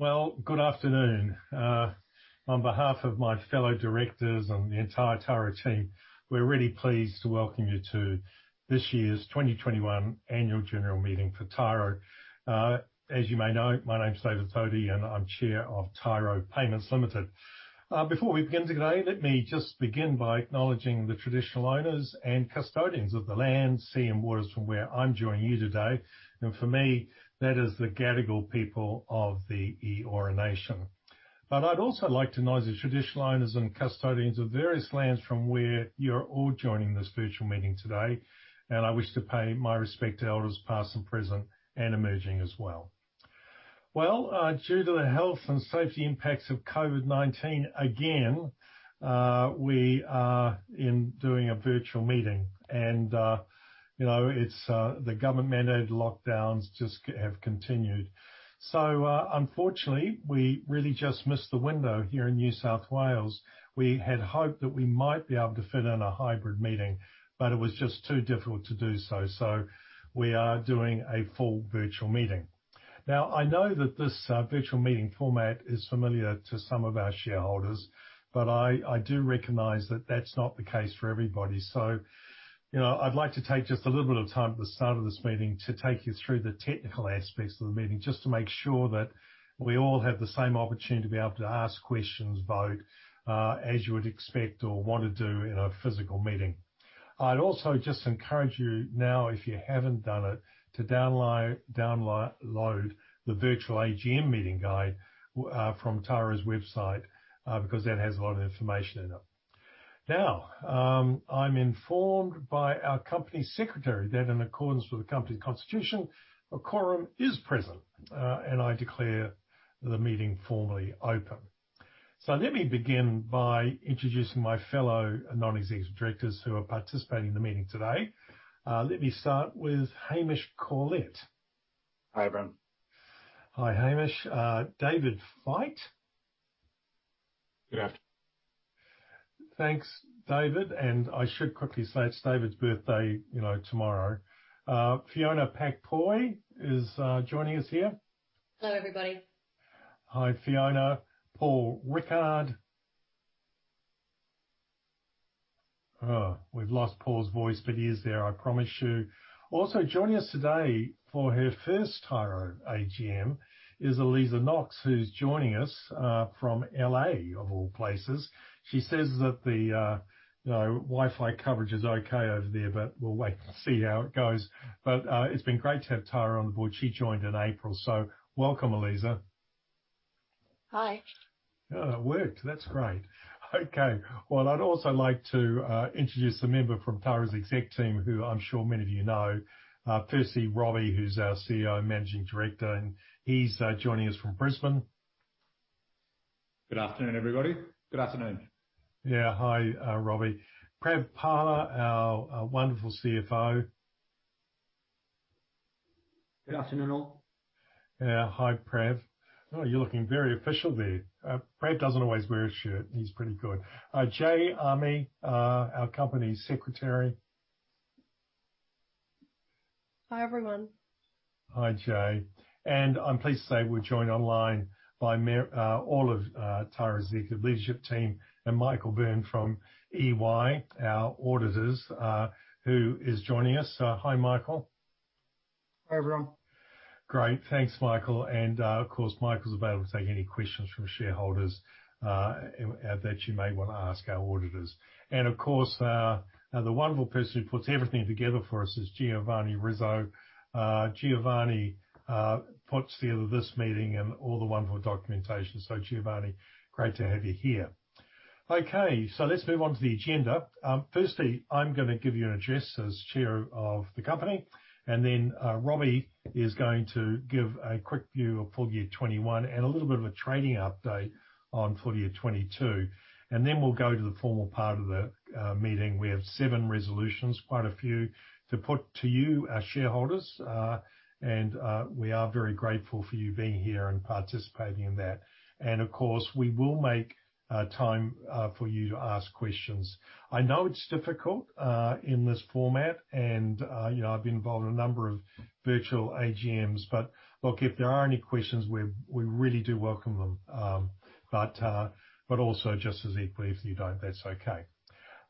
Well, good afternoon. On behalf of my fellow directors and the entire Tyro team, we're really pleased to welcome you to this year's 2021 Annual General Meeting for Tyro. As you may know, my name is David Thodey, and I'm Chair of Tyro Payments Limited. Before we begin today, let me just begin by acknowledging the traditional owners and custodians of the land, sea and waters from where I'm joining you today. For me, that is the Gadigal people of the Eora Nation. I'd also like to acknowledge the traditional owners and custodians of various lands from where you're all joining this virtual meeting today, and I wish to pay my respect to elders past and present and emerging as well. Well, due to the health and safety impacts of COVID-19, again, we are indeed doing a virtual meeting and, you know, it's the government mandated lockdowns just have continued. Unfortunately, we really just missed the window here in New South Wales. We had hoped that we might be able to fit in a hybrid meeting, but it was just too difficult to do so. We are doing a full virtual meeting. Now, I know that this virtual meeting format is familiar to some of our shareholders, but I do recognize that that's not the case for everybody. You know, I'd like to take just a little bit of time at the start of this meeting to take you through the technical aspects of the meeting, just to make sure that we all have the same opportunity to be able to ask questions, vote, as you would expect or want to do in a physical meeting. I'd also just encourage you now, if you haven't done it, to download the virtual AGM meeting guide from Tyro's website, because that has a lot of information in it. Now, I'm informed by our Company Secretary that in accordance with the company's constitution, a quorum is present, and I declare the meeting formally open. Let me begin by introducing my fellow Non-Executive Directors who are participating in the meeting today. Let me start with Hamish Corlett. Hi, everyone. Hi, Hamish. David Fite. Good afternoon. Thanks, David. I should quickly say it's David's birthday, you know, tomorrow. Fiona Pak-Poy is joining us here. Hello, everybody. Hi, Fiona. Paul Rickard. Oh, we've lost Paul's voice, but he is there, I promise you. Also joining us today for her first Tyro AGM is Aliza Knox, who's joining us from L.A. of all places. She says that the you know, Wi-Fi coverage is okay over there, but we'll wait to see how it goes. It's been great to have Tyra on board. She joined in April. Welcome, Aliza. Hi. Oh, that worked. That's great. Okay. Well, I'd also like to introduce a member from Tyro's exec team, who I'm sure many of you know. Firstly, Robbie, who's our CEO and Managing Director, and he's joining us from Brisbane. Good afternoon, everybody. Good afternoon. Yeah. Hi, Robbie. Prav Pala, our wonderful CFO. Good afternoon, all. Yeah. Hi, Prav. Oh, you're looking very official there. Prav doesn't always wear a shirt. He's pretty good. Jay Amigh, our Company Secretary. Hi, everyone. Hi, Jay. I'm pleased to say we're joined online by all of Tyro's executive leadership team and Michael Burn from EY, our auditors, who is joining us. Hi, Michael. Hi, everyone. Great. Thanks, Michael. Of course, Michael's available to take any questions from shareholders, and that you may want to ask our auditors. Of course, the wonderful person who puts everything together for us is Giovanni Rizzo. Giovanni puts together this meeting and all the wonderful documentation. Giovanni, great to have you here. Okay, let's move on to the agenda. Firstly, I'm gonna give you an address as chair of the company, and then Robbie is going to give a quick view of full year 2021 and a little bit of a trading update on full year 2022. Then we'll go to the formal part of the meeting. We have seven resolutions, quite a few to put to you, our shareholders. We are very grateful for you being here and participating in that. Of course, we will make time for you to ask questions. I know it's difficult in this format and, you know, I've been involved in a number of virtual AGMs. Look, if there are any questions, we really do welcome them. But also just as equally, if you don't, that's okay.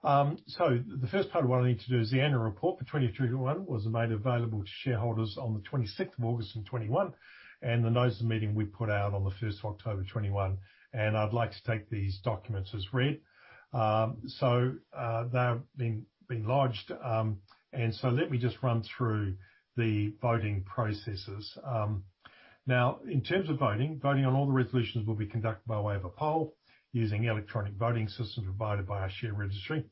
The first part of what I need to do is the annual report for 2021 was made available to shareholders on the 26th of August 2021, and the notice of meeting we put out on the 1st of October 2021. I'd like to take these documents as read. They've been lodged. Let me just run through the voting processes. Now in terms of voting on all the resolutions will be conducted by way of a poll using electronic voting systems provided by our share registry.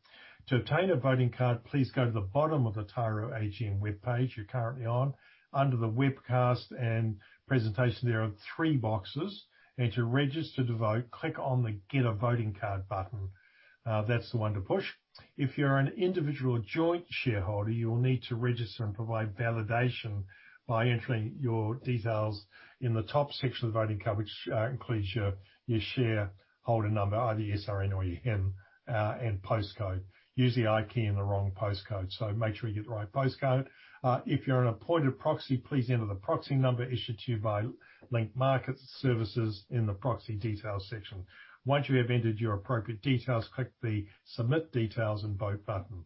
To obtain a voting card, please go to the bottom of the Tyro AGM webpage you're currently on. Under the webcast and presentation, there are three boxes, and to register to vote, click on the Get A Voting Card button. That's the one to push. If you're an individual joint shareholder, you'll need to register and provide validation by entering your details in the top section of the voting card, which includes your shareholder number, either SRN or HIN, and postcode. If you key in the wrong postcode, so make sure you get the right postcode. If you're an appointed proxy, please enter the proxy number issued to you by Link Market Services in the proxy details section. Once you have entered your appropriate details, click the Submit Details and Vote button.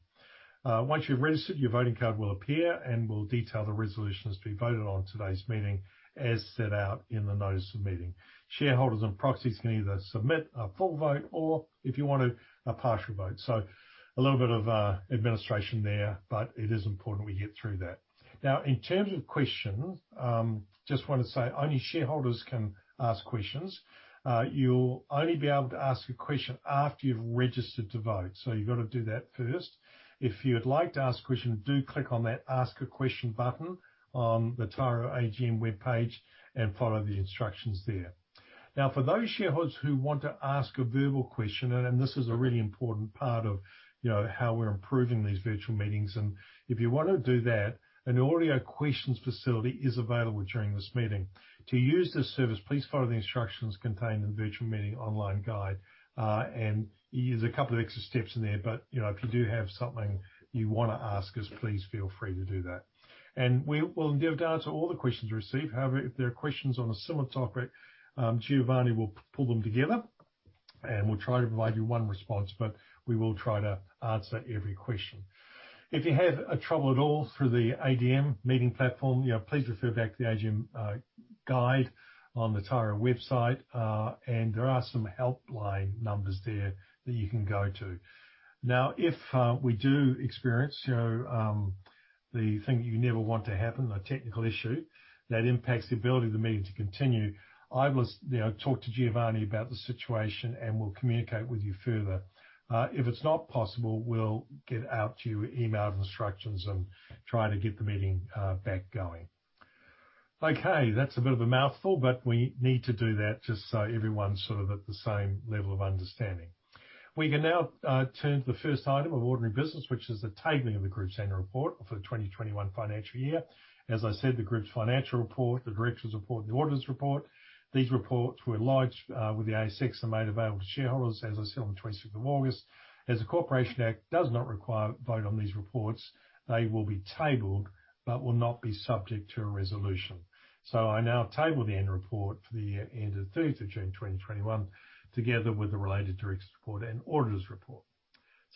Once you've registered, your voting card will appear and will detail the resolutions to be voted on in today's meeting, as set out in the notice of the meeting. Shareholders and proxies can either submit a full vote or, if you want to, a partial vote. A little bit of administration there, but it is important we get through that. Now, in terms of questions, just want to say, only shareholders can ask questions. You'll only be able to ask a question after you've registered to vote, so you've got to do that first. If you'd like to ask a question, do click on that Ask a Question button on the Tyro AGM webpage and follow the instructions there. Now, for those shareholders who want to ask a verbal question, and this is a really important part of, you know, how we're improving these virtual meetings. If you want to do that, an audio questions facility is available during this meeting. To use this service, please follow the instructions contained in the virtual meeting online guide. There's a couple of extra steps in there, but, you know, if you do have something you wanna ask us, please feel free to do that. We'll endeavour to answer all the questions received. However, if there are questions on a similar topic, Giovanni will pull them together, and we'll try to provide you one response, but we will try to answer every question. If you have trouble at all through the AGM meeting platform, you know, please refer back to the AGM guide on the Tyro website. There are some helpline numbers there that you can go to. Now, if we do experience, you know, the thing you never want to happen, a technical issue that impacts the ability of the meeting to continue, I must, you know, talk to Giovanni about the situation, and we'll communicate with you further. If it's not possible, we'll get out to you with email instructions and try to get the meeting back going. Okay, that's a bit of a mouthful, but we need to do that just so everyone's sort of at the same level of understanding. We can now turn to the first item of ordinary business, which is the tabling of the group's annual report for the 2021 financial year. As I said, the group's financial report, the directors' report and the auditors' report. These reports were lodged with the ASX and made available to shareholders, as I said, on August 26. As the Corporations Act does not require a vote on these reports, they will be tabled but will not be subject to a resolution. I now table the annual report for the year ended June 3, 2021, together with the related directors' report and auditors' report.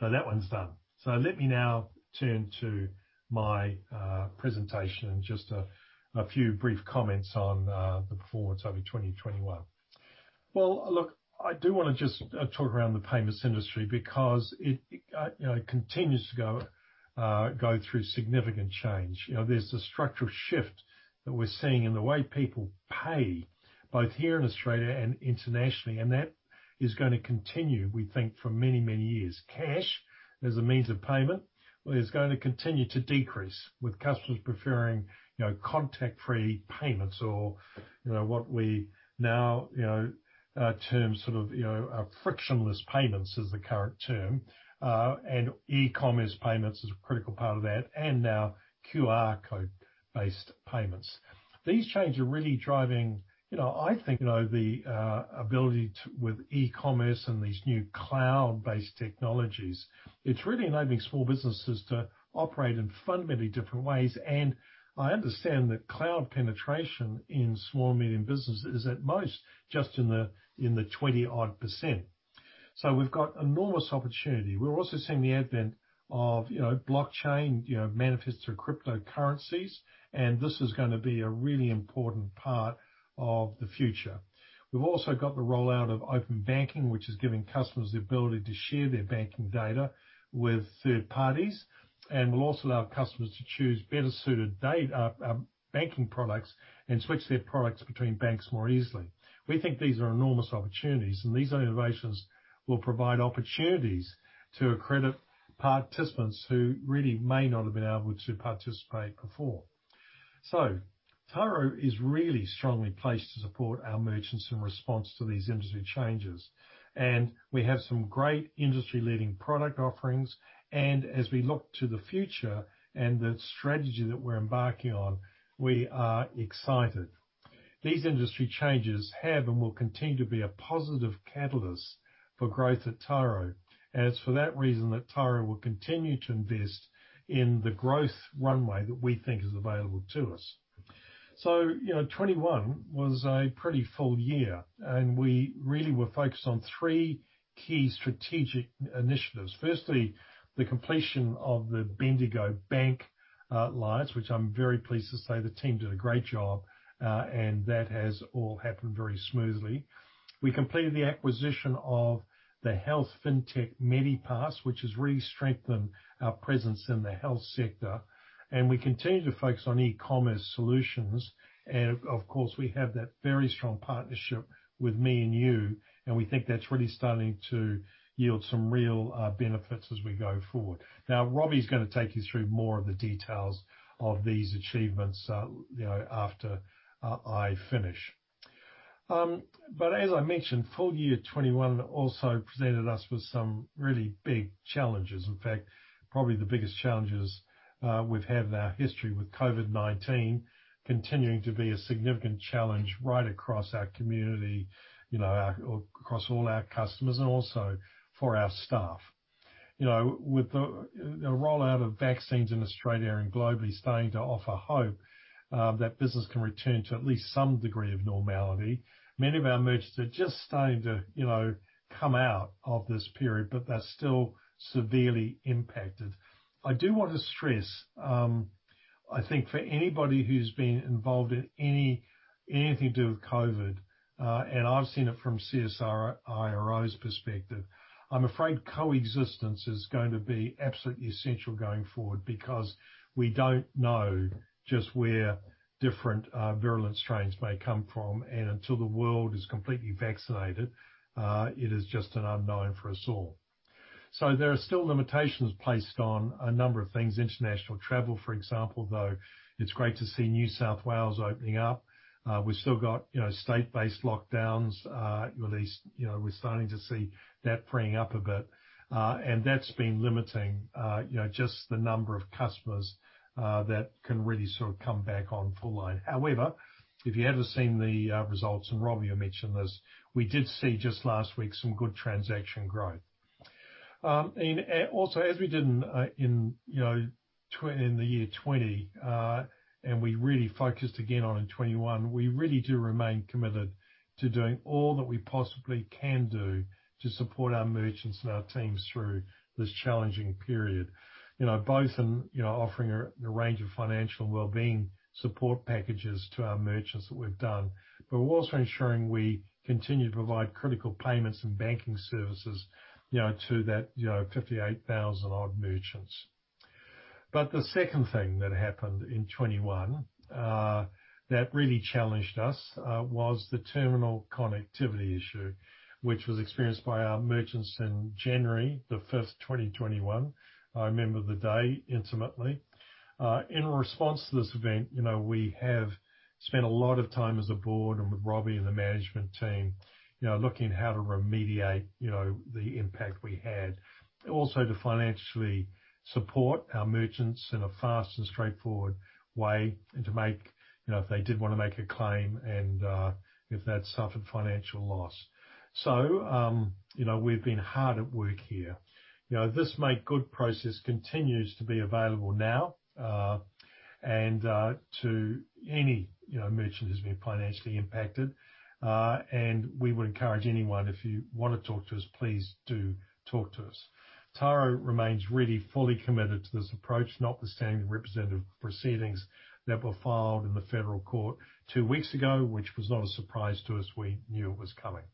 That one's done. Let me now turn to my presentation and just a few brief comments on the performance over 2021. Look, I do wanna just talk around the payments industry because it you know continues to go through significant change. You know, there's a structural shift that we're seeing in the way people pay, both here in Australia and internationally, and that is gonna continue, we think, for many years. Cash, as a means of payment, is going to continue to decrease, with customers preferring, you know, contact-free payments or, you know, what we now you know term sort of frictionless payments is the current term. And e-commerce payments is a critical part of that, and now QR code-based payments. These changes are really driving, you know, I think, you know, the ability with e-commerce and these new cloud-based technologies, it's really enabling small businesses to operate in fundamentally different ways. I understand that cloud penetration in small and medium business is at most just in the 20-odd%. We've got enormous opportunity. We're also seeing the advent of, you know, blockchain, you know, manifest through cryptocurrencies, and this is gonna be a really important part of the future. We've also got the rollout of open banking, which is giving customers the ability to share their banking data with third parties, and will also allow customers to choose better-suited banking products and switch their products between banks more easily. We think these are enormous opportunities, and these innovations will provide opportunities to accredit participants who really may not have been able to participate before. Tyro is really strongly placed to support our merchants in response to these industry changes, and we have some great industry-leading product offerings. As we look to the future and the strategy that we're embarking on, we are excited. These industry changes have and will continue to be a positive catalyst for growth at Tyro. It's for that reason that Tyro will continue to invest in the growth runway that we think is available to us. You know, 2021 was a pretty full year, and we really were focused on three key strategic initiatives. Firstly, the completion of the Bendigo Bank lines, which I'm very pleased to say the team did a great job, and that has all happened very smoothly. We completed the acquisition of the health fintech Medipass, which has really strengthened our presence in the health sector, and we continue to focus on e-commerce solutions. Of course, we have that very strong partnership with me&u, and we think that's really starting to yield some real benefits as we go forward. Now, Robbie's gonna take you through more of the details of these achievements, you know, after I finish. As I mentioned, full year 2021 also presented us with some really big challenges. In fact, probably the biggest challenges we've had in our history with COVID-19 continuing to be a significant challenge right across our community, you know, across all our customers and also for our staff. You know, with the rollout of vaccines in Australia and globally starting to offer hope that business can return to at least some degree of normality. Many of our merchants are just starting to, you know, come out of this period, but they're still severely impacted. I do want to stress, I think for anybody who's been involved in anything to do with COVID, and I've seen it from CSIRO's perspective, I'm afraid coexistence is going to be absolutely essential going forward because we don't know just where different virulent strains may come from. Until the world is completely vaccinated, it is just an unknown for us all. There are still limitations placed on a number of things. International travel, for example, though, it's great to see New South Wales opening up. We've still got, you know, state-based lockdowns, at least, you know, we're starting to see that freeing up a bit. That's been limiting, you know, just the number of customers that can really sort of come back online. However, if you haven't seen the results, and Robbie will mention this, we did see just last week some good transaction growth. Also as we did in the year 2020, and we really focused again on in 2021, we really do remain committed to doing all that we possibly can do to support our merchants and our teams through this challenging period. You know, both in, you know, offering a range of financial and wellbeing support packages to our merchants that we've done, but we're also ensuring we continue to provide critical payments and banking services, you know, to that, you know, 58,000-odd merchants. The second thing that happened in 2021 that really challenged us was the terminal connectivity issue, which was experienced by our merchants in January 5, 2021. I remember the day intimately. In response to this event, you know, we have spent a lot of time as a board and with Robbie and the management team, you know, looking how to remediate, you know, the impact we had. Also to financially support our merchants in a fast and straightforward way and to make, you know, if they did wanna make a claim and, if they had suffered financial loss. You know, we've been hard at work here. You know, this make good process continues to be available now, and, to any, you know, merchant who's been financially impacted. We would encourage anyone, if you wanna talk to us, please do talk to us. Tyro remains really fully committed to this approach, notwithstanding the representative proceedings that were filed in the Federal Court two weeks ago, which was not a surprise to us. We knew it was coming.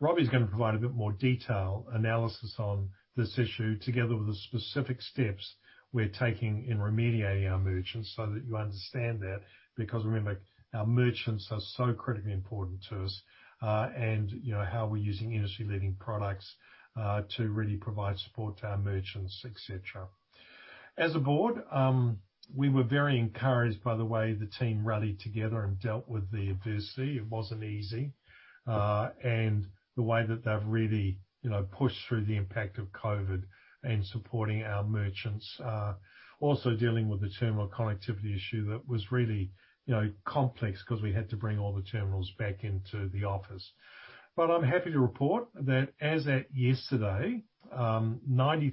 Robbie's gonna provide a bit more detail analysis on this issue, together with the specific steps we're taking in remediating our merchants so that you understand that, because remember, our merchants are so critically important to us, and you know, how we're using industry-leading products, to really provide support to our merchants, et cetera. As a board, we were very encouraged by the way the team rallied together and dealt with the adversity. It wasn't easy. The way that they've really, you know, pushed through the impact of COVID and supporting our merchants, also dealing with the terminal connectivity issue that was really, you know, complex 'cause we had to bring all the terminals back into the office. I'm happy to report that as at yesterday, 93%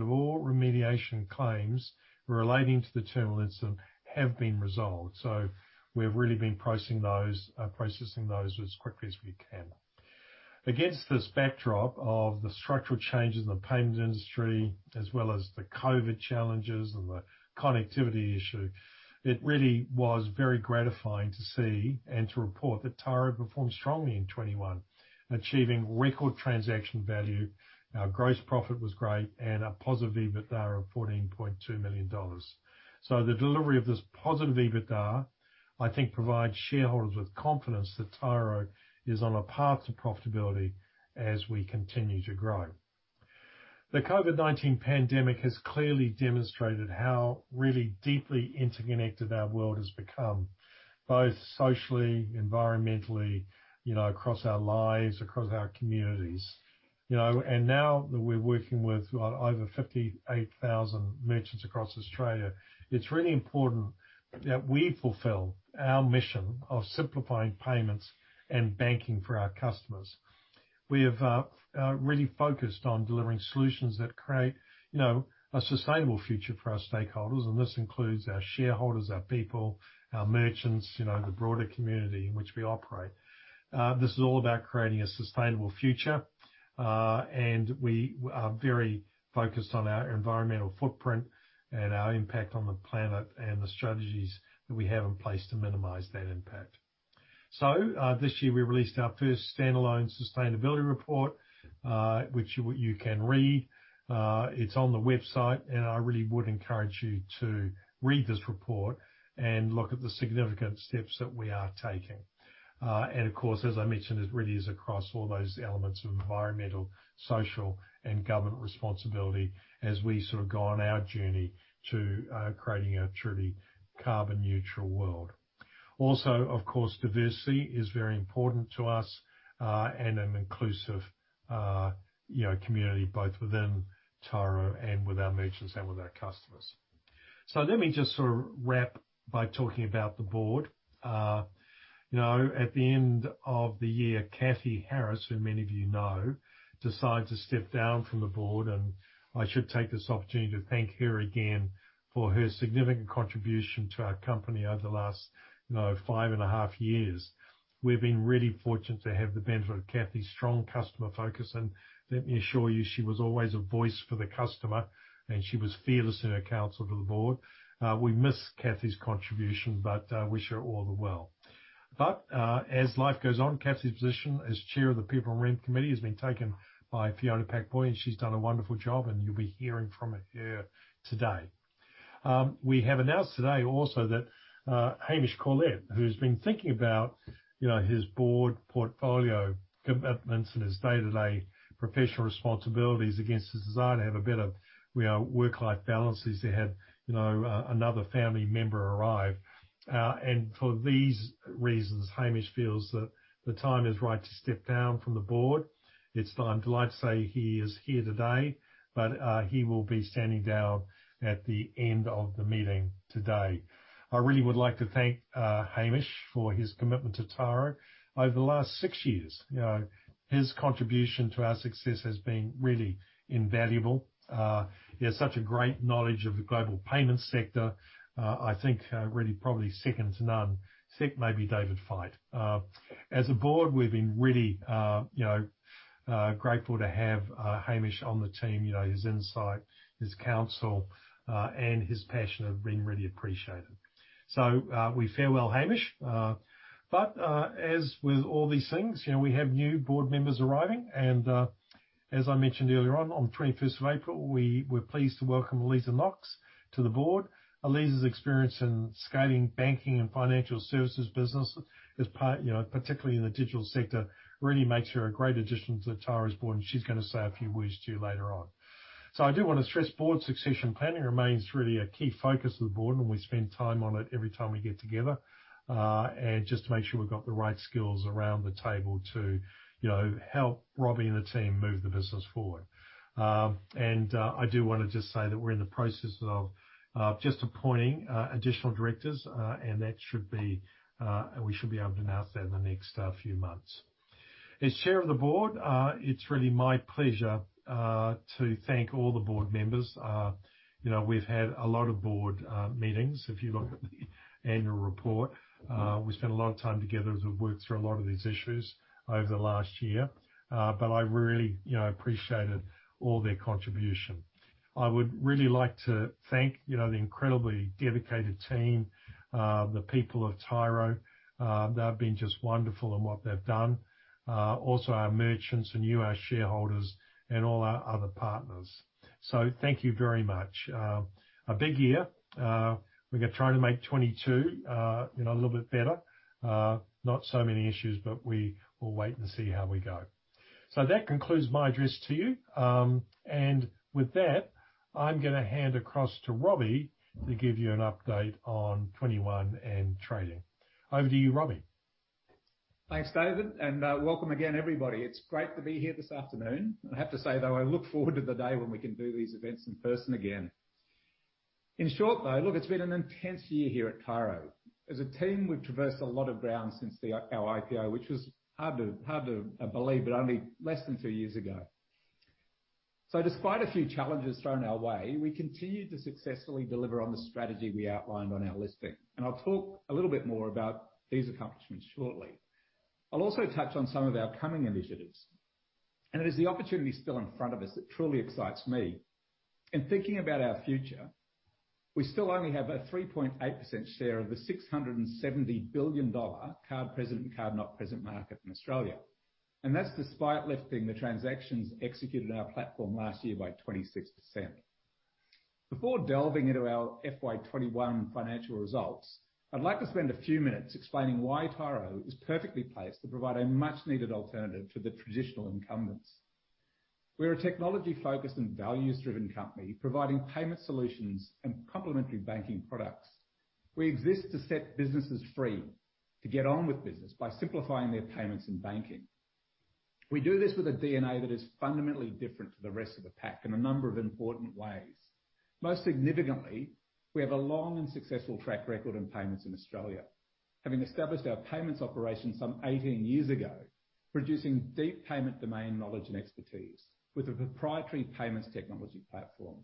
of all remediation claims relating to the terminal incident have been resolved. We've really been processing those as quickly as we can. Against this backdrop of the structural changes in the payment industry, as well as the COVID challenges and the connectivity issue, it really was very gratifying to see and to report that Tyro performed strongly in 2021, achieving record transaction value. Our gross profit was great and a positive EBITDA of 14.2 million dollars. The delivery of this positive EBITDA, I think, provides shareholders with confidence that Tyro is on a path to profitability as we continue to grow. The COVID-19 pandemic has clearly demonstrated how really deeply interconnected our world has become, both socially, environmentally, you know, across our lives, across our communities. You know, now that we're working with over 58,000 merchants across Australia, it's really important that we fulfill our mission of simplifying payments and banking for our customers. We have really focused on delivering solutions that create, you know, a sustainable future for our stakeholders, and this includes our shareholders, our people, our merchants, you know, the broader community in which we operate. This is all about creating a sustainable future, and we are very focused on our environmental footprint and our impact on the planet and the strategies that we have in place to minimize that impact. This year we released our first standalone sustainability report, which you can read. It's on the website, and I really would encourage you to read this report and look at the significant steps that we are taking. Of course, as I mentioned, it really is across all those elements of environmental, social, and governance responsibility as we sort of go on our journey to creating a truly carbon neutral world. Also, of course, diversity is very important to us, and an inclusive, you know, community, both within Tyro and with our merchants and with our customers. Let me just sort of wrap by talking about the board. You know, at the end of the year, Cathy Harris, who many of you know, decided to step down from the board, and I should take this opportunity to thank her again for her significant contribution to our company over the last, you know, five and a half years. We've been really fortunate to have the benefit of Cathy's strong customer focus. Let me assure you, she was always a voice for the customer, and she was fearless in her counsel to the board. We miss Cathy's contribution, but wish her all the best. As life goes on, Cathy's position as Chair of the People and Rem Committee has been taken by Fiona Pak-Poy, and she's done a wonderful job, and you'll be hearing from her today. We have announced today also that Hamish Corlett, who's been thinking about, you know, his board portfolio commitments and his day-to-day professional responsibilities against his desire to have a better, you know, work-life balance since he had, you know, another family member arrive. For these reasons, Hamish feels that the time is right to step down from the board. It's time. Delighted to say he is here today, but he will be standing down at the end of the meeting today. I really would like to thank Hamish for his commitment to Tyro. Over the last six years, you know, his contribution to our success has been really invaluable. He has such a great knowledge of the global payments sector. I think really probably second to none, second maybe David Fite. As a board, we've been really you know grateful to have Hamish on the team. You know, his insight, his counsel and his passion have been really appreciated. So we farewell Hamish. But as with all these things, you know, we have new board members arriving. As I mentioned earlier on twenty-first of April, we were pleased to welcome Aliza Knox to the board. Aliza's experience in scaling banking and financial services business is part, you know, particularly in the digital sector, really makes her a great addition to Tyro's Board, and she's gonna say a few words to you later on. I do wanna stress board succession planning remains really a key focus of the board, and we spend time on it every time we get together, and just to make sure we've got the right skills around the table to, you know, help Robbie and the team move the business forward. I do wanna just say that we're in the process of just appointing additional directors, and that should be, we should be able to announce that in the next few months. As Chair of the Board, it's really my pleasure to thank all the board members. You know, we've had a lot of board meetings. If you look at the annual report, we spent a lot of time together as we've worked through a lot of these issues over the last year. I really, you know, appreciated all their contribution. I would really like to thank, you know, the incredibly dedicated team, the people of Tyro, they have been just wonderful in what they've done. Also our merchants and you, our shareholders, and all our other partners. Thank you very much. A big year. We're gonna try to make 2022, you know, a little bit better. Not so many issues, but we will wait and see how we go. That concludes my address to you. With that, I'm gonna hand across to Robbie to give you an update on 2021 and trading. Over to you, Robbie. Thanks, David, and welcome again, everybody. It's great to be here this afternoon. I have to say, though, I look forward to the day when we can do these events in person again. In short, though, look, it's been an intense year here at Tyro. As a team, we've traversed a lot of ground since our IPO, which was hard to believe, but only less than two years ago. Despite a few challenges thrown our way, we continued to successfully deliver on the strategy we outlined on our listing. I'll talk a little bit more about these accomplishments shortly. I'll also touch on some of our coming initiatives, and it is the opportunity still in front of us that truly excites me. In thinking about our future, we still only have a 3.8% share of the 670 billion dollar card present and card not present market in Australia, and that's despite lifting the transactions executed in our platform last year by 26%. Before delving into our FY 2021 financial results, I'd like to spend a few minutes explaining why Tyro is perfectly placed to provide a much-needed alternative to the traditional incumbents. We're a technology-focused and values-driven company providing payment solutions and complementary banking products. We exist to set businesses free to get on with business by simplifying their payments and banking. We do this with a DNA that is fundamentally different to the rest of the pack in a number of important ways. Most significantly, we have a long and successful track record in payments in Australia. Having established our payments operation some 18 years ago, producing deep payment domain knowledge and expertise with a proprietary payments technology platform.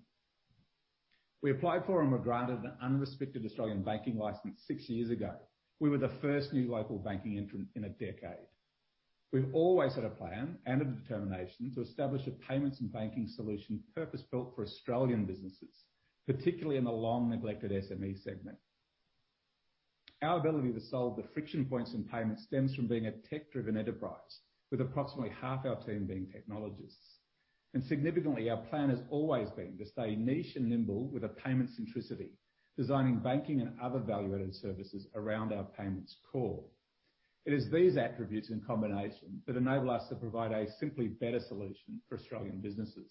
We applied for and were granted an unrestricted Australian banking license six years ago. We were the first new local banking entrant in a decade. We've always had a plan and a determination to establish a payments and banking solution purpose-built for Australian businesses, particularly in the long-neglected SME segment. Our ability to solve the friction points in payment stems from being a tech-driven enterprise with approximately half our team being technologists. Significantly, our plan has always been to stay niche and nimble with a payment centricity, designing banking and other value-added services around our payments core. It is these attributes in combination that enable us to provide a simply better solution for Australian businesses.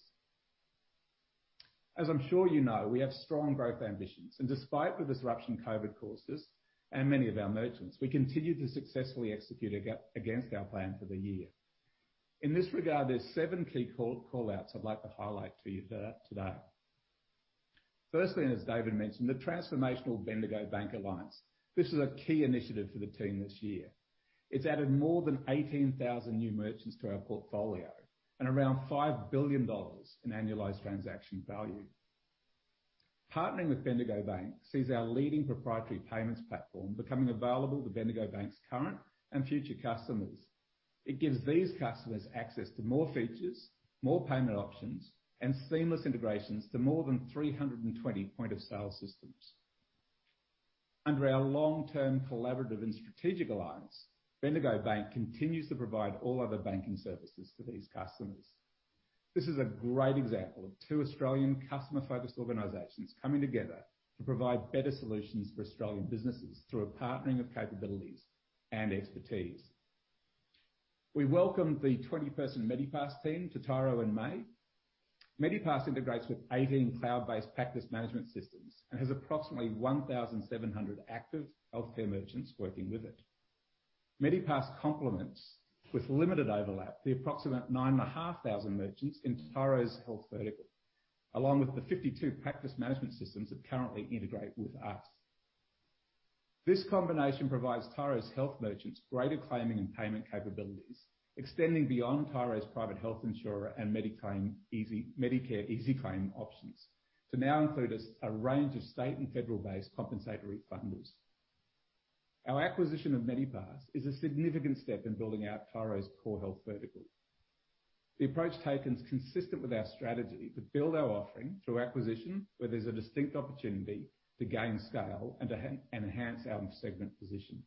As I'm sure you know, we have strong growth ambitions, and despite the disruption COVID causes and many of our merchants, we continue to successfully execute against our plan for the year. In this regard, there's seven key call-outs I'd like to highlight to you today. Firstly, as David mentioned, the transformational Bendigo Bank alliance. This is a key initiative for the team this year. It's added more than 18,000 new merchants to our portfolio and around 5 billion dollars in annualized transaction value. Partnering with Bendigo Bank sees our leading proprietary payments platform becoming available to Bendigo Bank's current and future customers. It gives these customers access to more features, more payment options, and seamless integrations to more than 320 point-of-sale systems. Under our long-term collaborative and strategic alliance, Bendigo Bank continues to provide all other banking services to these customers. This is a great example of two Australian customer-focused organizations coming together to provide better solutions for Australian businesses through a partnering of capabilities and expertise. We welcomed the 20-person Medipass team to Tyro in May. Medipass integrates with 18 cloud-based practice management systems and has approximately 1,700 active healthcare merchants working with it. Medipass complements, with limited overlap, the approximate 9,500 merchants in Tyro's health vertical, along with the 52 practice management systems that currently integrate with us. This combination provides Tyro's health merchants greater claiming and payment capabilities, extending beyond Tyro's private health insurer and Medicare Easyclaim options to now include a range of state and federal-based compensatory funders. Our acquisition of Medipass is a significant step in building out Tyro's core health vertical. The approach taken is consistent with our strategy to build our offering through acquisition, where there's a distinct opportunity to gain scale and enhance our segment position.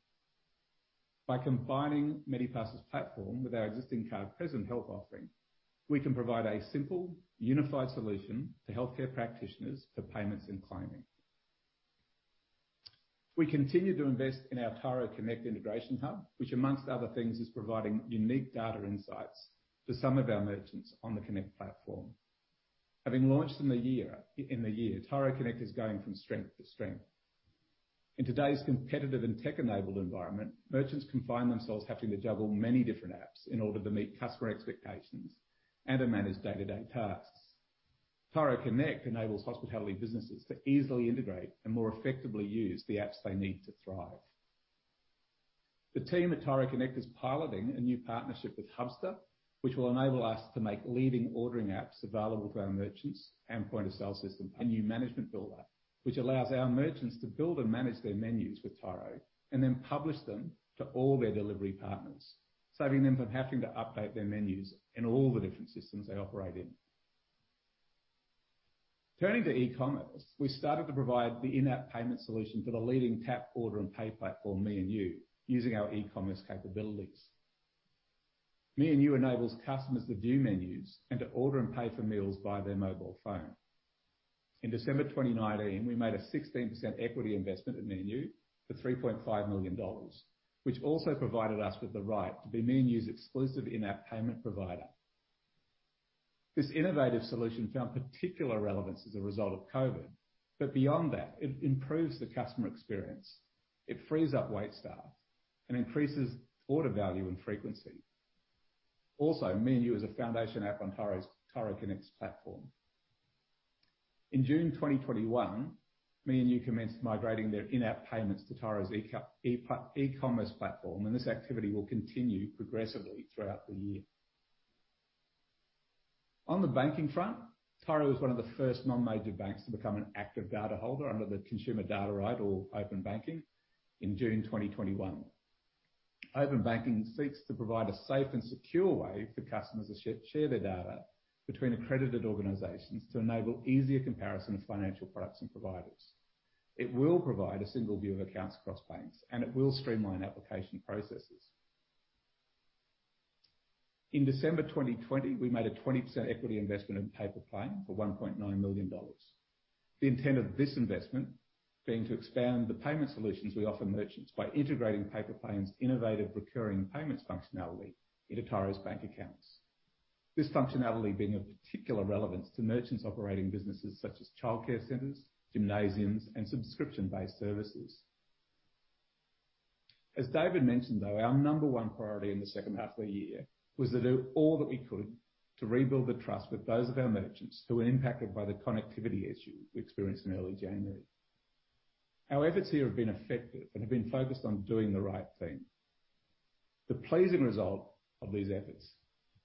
By combining Medipass' platform with our existing card-present health offering, we can provide a simple, unified solution to healthcare practitioners for payments and claiming. We continue to invest in our Tyro Connect integration hub, which, among other things, is providing unique data insights to some of our merchants on the Connect platform. Having launched in the year, Tyro Connect is going from strength-to-strength. In today's competitive and tech-enabled environment, merchants can find themselves having to juggle many different apps in order to meet customer expectations and to manage day-to-day tasks. Tyro Connect enables hospitality businesses to easily integrate and more effectively use the apps they need to thrive. The team at Tyro Connect is piloting a new partnership with Hubster, which will enable us to make leading ordering apps available to our merchants and point-of-sale system, a new management builder, which allows our merchants to build and manage their menus with Tyro and then publish them to all their delivery partners, saving them from having to update their menus in all the different systems they operate in. Turning to e-commerce, we started to provide the in-app payment solution for the leading tap order and pay platform, me&u, using our e-commerce capabilities. me&u enables customers to view menus and to order and pay for meals via their mobile phone. In December 2019, we made a 16% equity investment in me&u for 3.5 million dollars, which also provided us with the right to be me&u's exclusive in-app payment provider. This innovative solution found particular relevance as a result of COVID, but beyond that, it improves the customer experience. It frees up wait staff and increases order value and frequency. Me&u is a foundation app on Tyro's Tyro Connect platform. In June 2021, me&u commenced migrating their in-app payments to Tyro's e-commerce platform, and this activity will continue progressively throughout the year. On the banking front, Tyro was one of the first non-major banks to become an active data holder under the Consumer Data Right or open banking in June 2021. Open banking seeks to provide a safe and secure way for customers to share their data between accredited organizations to enable easier comparison of financial products and providers. It will provide a single view of accounts across banks, and it will streamline application processes. In December 2020, we made a 20% equity investment in Paypa Plane for 1.9 million dollars. The intent of this investment being to expand the payment solutions we offer merchants by integrating Paypa Plane's innovative recurring payments functionality into Tyro's bank accounts. This functionality being of particular relevance to merchants operating businesses such as childcare centers, gymnasiums, and subscription-based services. As David mentioned, though, our number one priority in the second half of the year was to do all that we could to rebuild the trust with those of our merchants who were impacted by the connectivity issue we experienced in early January. Our efforts here have been effective and have been focused on doing the right thing. The pleasing result of these efforts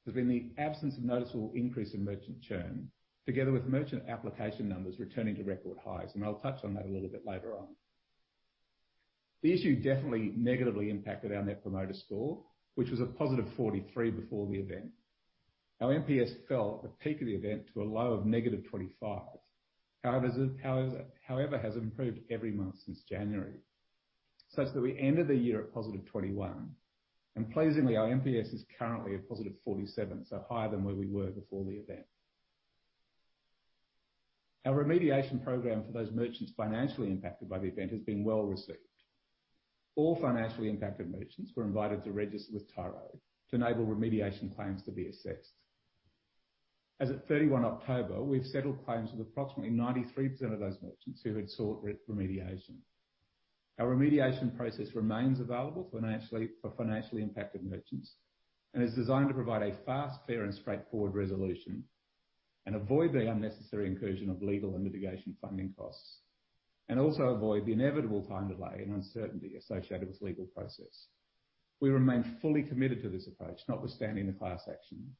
has been the absence of noticeable increase in merchant churn, together with merchant application numbers returning to record highs, and I'll touch on that a little bit later on. The issue definitely negatively impacted our Net Promoter Score, which was a +43 before the event. Our NPS fell at the peak of the event to a low of -25. However, it has improved every month since January, such that we ended the year at +21. Pleasingly, our NPS is currently at +47, so higher than where we were before the event. Our remediation program for those merchants financially impacted by the event has been well received. All financially impacted merchants were invited to register with Tyro to enable remediation claims to be assessed. As of 31 October, we've settled claims with approximately 93% of those merchants who had sought re-remediation. Our remediation process remains available for financially impacted merchants, and is designed to provide a fast, fair, and straightforward resolution and avoid the unnecessary incursion of legal and mitigation funding costs, and also avoid the inevitable time delay and uncertainty associated with legal process. We remain fully committed to this approach, notwithstanding the class action.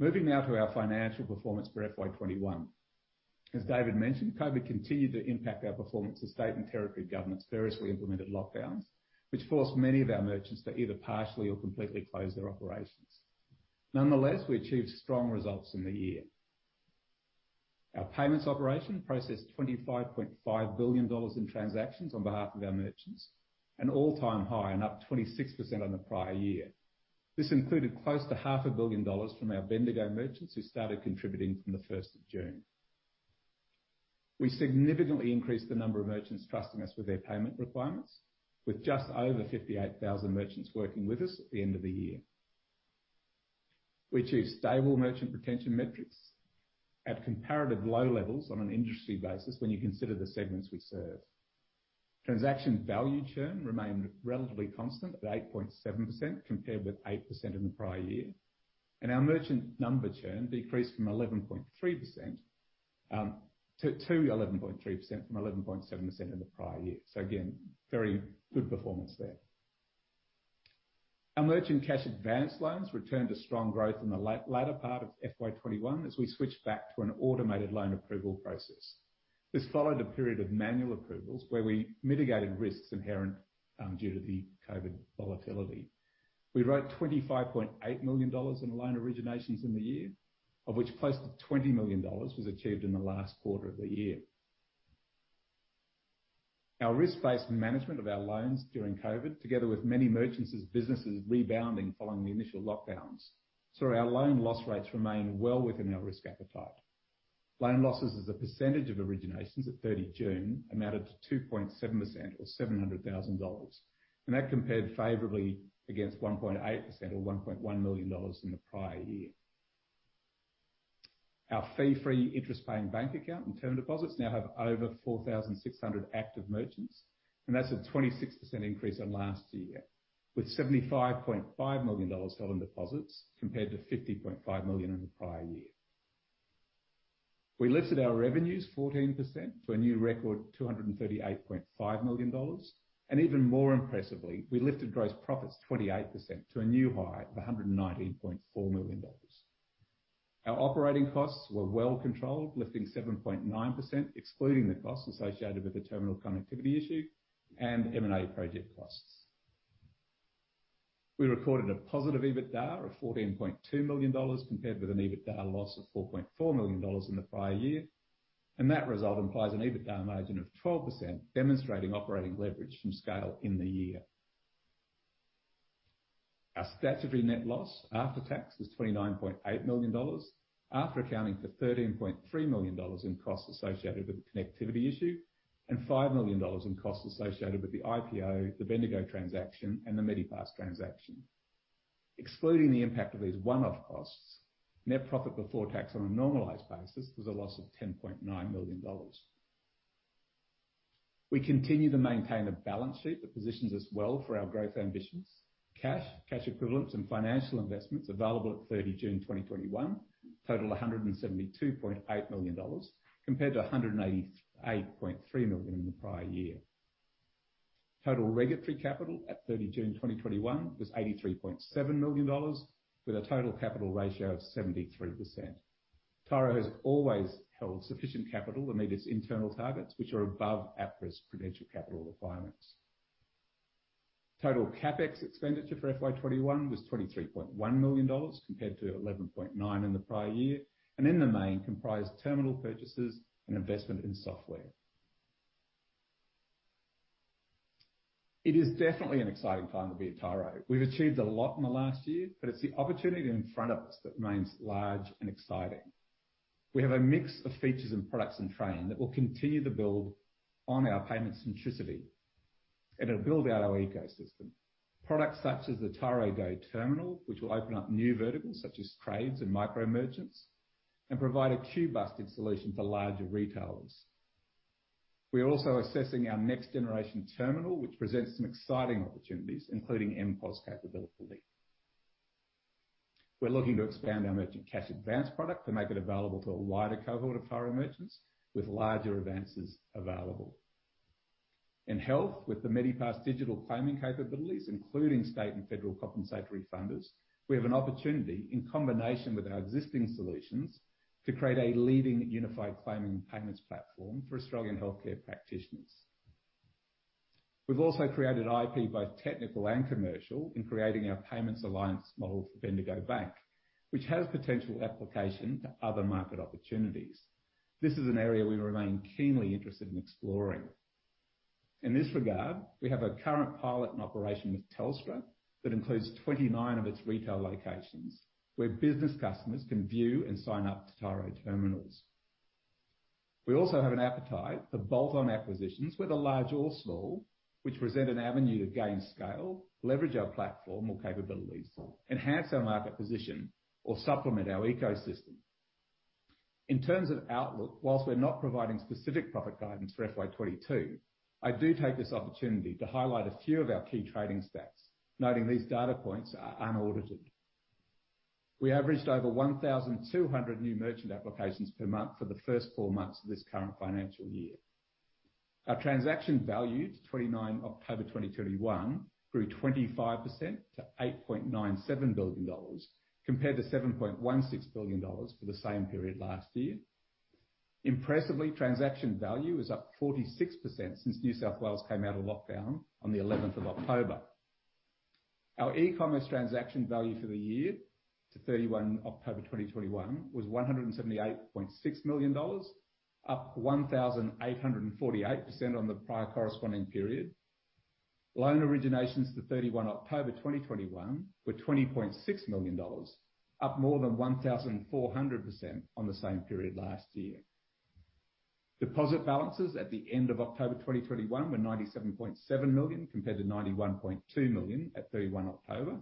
Moving now to our financial performance for FY 2021. As David mentioned, COVID continued to impact our performance as state and territory governments variously implemented lockdowns, which forced many of our merchants to either partially or completely close their operations. Nonetheless, we achieved strong results in the year. Our payments operation processed 25.5 billion dollars in transactions on behalf of our merchants, an all-time high and up 26% on the prior year. This included close to half a billion dollars from our Bendigo merchants who started contributing from the 1st of June. We significantly increased the number of merchants trusting us with their payment requirements with just over 58,000 merchants working with us at the end of the year, which is stable merchant retention metrics at comparative low levels on an industry basis when you consider the segments we serve. Transaction value churn remained relatively constant at 8.7% compared with 8% in the prior year, and our merchant number churn decreased from 11.3%-11.3% from 11.7% in the prior year. Again, very good performance there. Our merchant cash advance loans returned to strong growth in the latter part of FY 2021 as we switched back to an automated loan approval process. This followed a period of manual approvals where we mitigated risks inherent due to the COVID volatility. We wrote 25.8 million dollars in loan originations in the year, of which close to 20 million dollars was achieved in the last quarter of the year. Our risk-based management of our loans during COVID, together with many merchants as businesses rebounding following the initial lockdowns, saw our loan loss rates remain well within our risk appetite. Loan losses as a percentage of originations at 30 June amounted to 2.7% or 700,000 dollars, and that compared favourably against 1.8% or 1.1 million dollars in the prior year. Our fee-free interest-paying bank account and term deposits now have over 4,600 active merchants, and that's a 26% increase on last year, with 75.5 million dollars held in deposits, compared to 50.5 million in the prior year. We lifted our revenues 14% to a new record, AUD 238.5 million. Even more impressively, we lifted gross profits 28% to a new high of 119.4 million dollars. Our operating costs were well controlled, lifting 7.9%, excluding the costs associated with the terminal connectivity issue and M&A project costs. We recorded a positive EBITDA of 14.2 million dollars, compared with an EBITDA loss of 4.4 million dollars in the prior year. That result implies an EBITDA margin of 12%, demonstrating operating leverage from scale in the year. Our statutory net loss after tax was 29.8 million dollars, after accounting for 13.3 million dollars in costs associated with the connectivity issue and 5 million dollars in costs associated with the IPO, the Bendigo transaction, and the Medipass transaction. Excluding the impact of these one-off costs, net profit before tax on a normalized basis was a loss of 10.9 million dollars. We continue to maintain a balance sheet that positions us well for our growth ambitions. Cash, cash equivalents, and financial investments available at 30 June 2021 total 172.8 million dollars, compared to 188.3 million in the prior year. Total regulatory capital at 30 June 2021 was 83.7 million dollars, with a total capital ratio of 73%. Tyro has always held sufficient capital to meet its internal targets, which are above APRA's prudential capital requirements. Total CapEx expenditure for FY 2021 was 23.1 million dollars compared to 11.9 million in the prior year, and in the main, comprised terminal purchases and investment in software. It is definitely an exciting time to be at Tyro. We've achieved a lot in the last year, but it's the opportunity in front of us that remains large and exciting. We have a mix of features and products in train that will continue to build on our payment centricity, and it'll build out our ecosystem. Products such as the Tyro Go terminal, which will open up new verticals such as trades and micro-merchants and provide a queue-busting solution for larger retailers. We are also assessing our next-generation terminal, which presents some exciting opportunities, including MPOS capability. We're looking to expand our merchant cash advance product to make it available to a wider cover of Tyro merchants with larger advances available. In health, with the Medipass digital claiming capabilities, including state and federal compensation funds, we have an opportunity, in combination with our existing solutions, to create a leading unified claiming payments platform for Australian healthcare practitioners. We've also created IP, both technical and commercial, in creating our payments alliance model for Bendigo Bank, which has potential application to other market opportunities. This is an area we remain keenly interested in exploring. In this regard, we have a current pilot in operation with Telstra that includes 29 of its retail locations, where business customers can view and sign up to Tyro terminals. We also have an appetite for bolt-on acquisitions, whether large or small, which present an avenue to gain scale, leverage our platform or capabilities, enhance our market position, or supplement our ecosystem. In terms of outlook, while we're not providing specific profit guidance for FY 2022, I do take this opportunity to highlight a few of our key trading stats, noting these data points are unaudited. We averaged over 1,200 new merchant applications per month for the first four months of this current financial year. Our transaction value to 29 October 2021 grew 25% to 8.97 billion dollars, compared to 7.16 billion dollars for the same period last year. Impressively, transaction value is up 46% since New South Wales came out of lockdown on the 11th of October. Our e-commerce transaction value for the year to 31 October 2021 was AUD 178.6 million, up 1,848% on the prior corresponding period. Loan originations to 31 October 2021 were 20.6 million dollars, up more than 1,400% on the same period last year. Deposit balances at the end of October 2021 were 97.7 million, compared to 91.2 million at 31 October.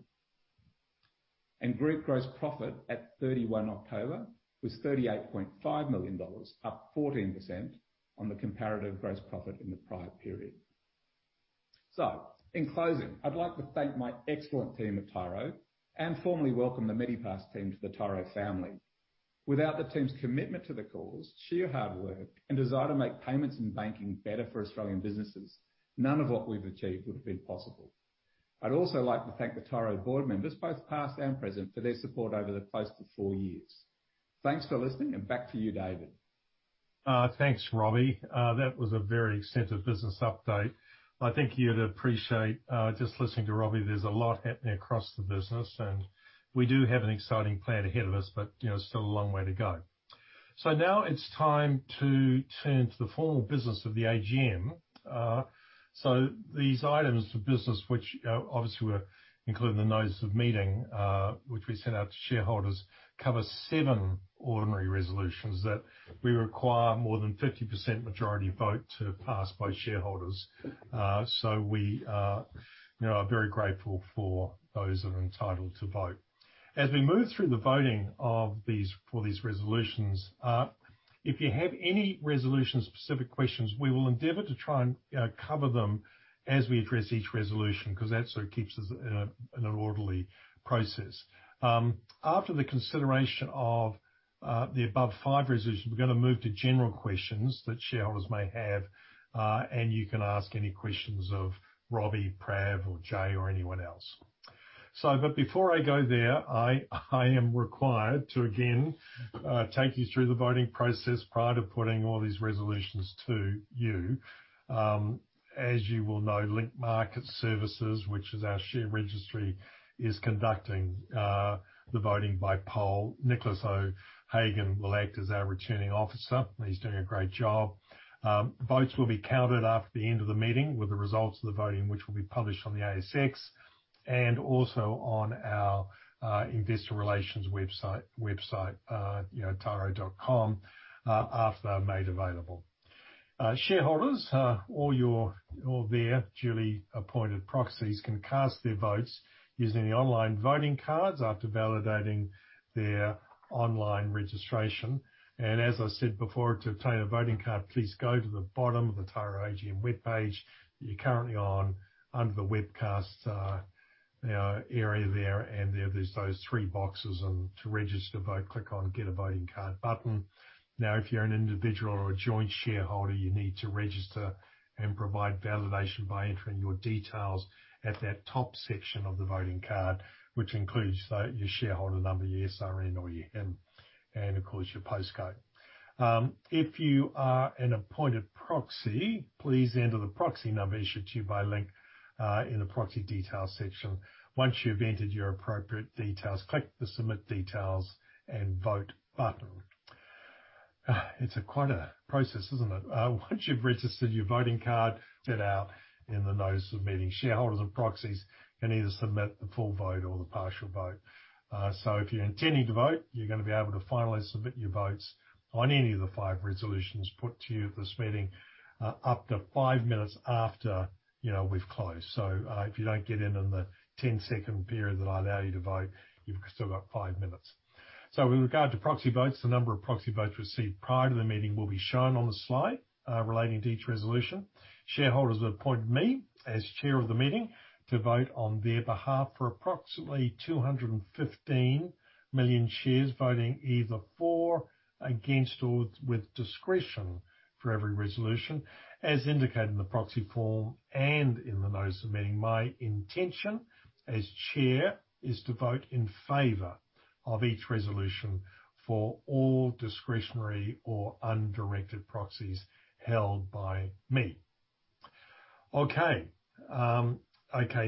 Group gross profit at 31 October was 38.5 million dollars, up 14% on the comparative gross profit in the prior period. In closing, I'd like to thank my excellent team at Tyro and formally welcome the Medipass team to the Tyro family. Without the team's commitment to the cause, sheer hard work, and desire to make payments and banking better for Australian businesses, none of what we've achieved would have been possible. I'd also like to thank the Tyro board members, both past and present, for their support over the close to four years. Thanks for listening, and back to you, David. Thanks, Robbie. That was a very extensive business update. I think you'd appreciate, just listening to Robbie, there's a lot happening across the business, and we do have an exciting plan ahead of us, but, you know, still a long way to go. Now it's time to turn to the formal business of the AGM. These items for business, which, obviously were included in the notice of meeting, which we sent out to shareholders, cover seven ordinary resolutions that we require more than 50% majority vote to pass by shareholders. We, you know, are very grateful for those that are entitled to vote. As we move through the voting for these resolutions, if you have any resolution-specific questions, we will endeavour to try and cover them as we address each resolution, 'cause that sort of keeps us in an orderly process. After the consideration of the above five resolutions, we're gonna move to general questions that shareholders may have, and you can ask any questions of Robbie, Prav, or Jay or anyone else. But before I go there, I am required to, again, take you through the voting process prior to putting all these resolutions to you. As you will know, Link Market Services, which is our share registry, is conducting the voting by poll. Nicholas O'Hagan will act as our returning officer. He's doing a great job. Votes will be counted after the end of the meeting with the results of the voting, which will be published on the ASX and also on our investor relations website, you know, tyro.com, after they're made available. Shareholders or their duly appointed proxies can cast their votes using the online voting cards after validating their online registration. As I said before, to obtain a voting card, please go to the bottom of the Tyro AGM webpage that you're currently on under the webcast, you know, area there, and there there's those three boxes. To register to vote, click on Get A Voting Card button. Now, if you're an individual or a joint shareholder, you need to register and provide validation by entering your details at that top section of the voting card, which includes the, your shareholder number, your SRN or your HIN, and of course, your postcode. If you are an appointed proxy, please enter the proxy number issued to you by Link in the proxy details section. Once you've entered your appropriate details, click the Submit Details and Vote button. It's quite a process, isn't it? Once you've registered your voting card, set out in the notice of meeting shareholders and proxies, you can either submit the full vote or the partial vote. If you're intending to vote, you're gonna be able to finalize and submit your votes on any of the five resolutions put to you at this meeting, up to five minutes after, you know, we've closed. If you don't get in on the 10-second period that I allow you to vote, you've still got five minutes. With regard to proxy votes, the number of proxy votes received prior to the meeting will be shown on the slide, relating to each resolution. Shareholders have appointed me as Chair of the meeting to vote on their behalf for approximately 215 million shares, voting either for, against, or with discretion for every resolution, as indicated in the proxy form and in the notice of meeting. My intention as Chair is to vote in favour of each resolution for all discretionary or undirected proxies held by me.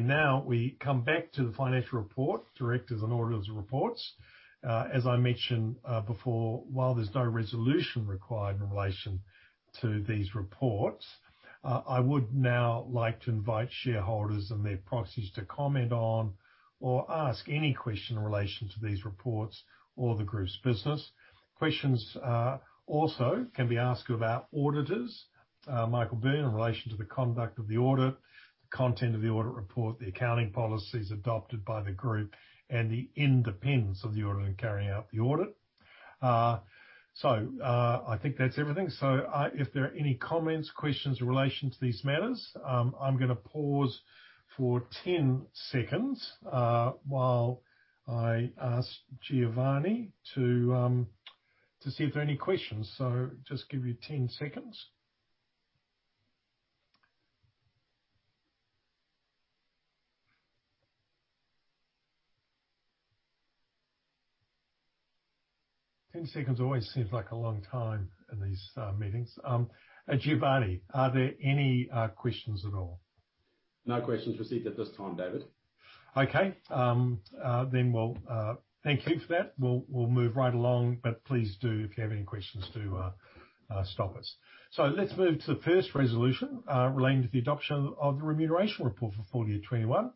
Now we come back to the financial report, directors' and auditors' reports. As I mentioned before, while there's no resolution required in relation to these reports, I would now like to invite shareholders and their proxies to comment on or ask any question in relation to these reports or the group's business. Questions also can be asked of our auditors, Michael Burn, in relation to the conduct of the audit, the content of the audit report, the accounting policies adopted by the group, and the independence of the auditor in carrying out the audit. I think that's everything. If there are any comments, questions in relation to these matters, I'm gonna pause for 10-seconds while I ask Giovanni to see if there are any questions. Just give you 10-seconds. 10-seconds always seems like a long time in these meetings. Giovanni, are there any questions at all? No questions received at this time, David. Thank you for that. We'll move right along. Please do, if you have any questions, to stop us. Let's move to the first resolution relating to the adoption of the remuneration report for full year 2021.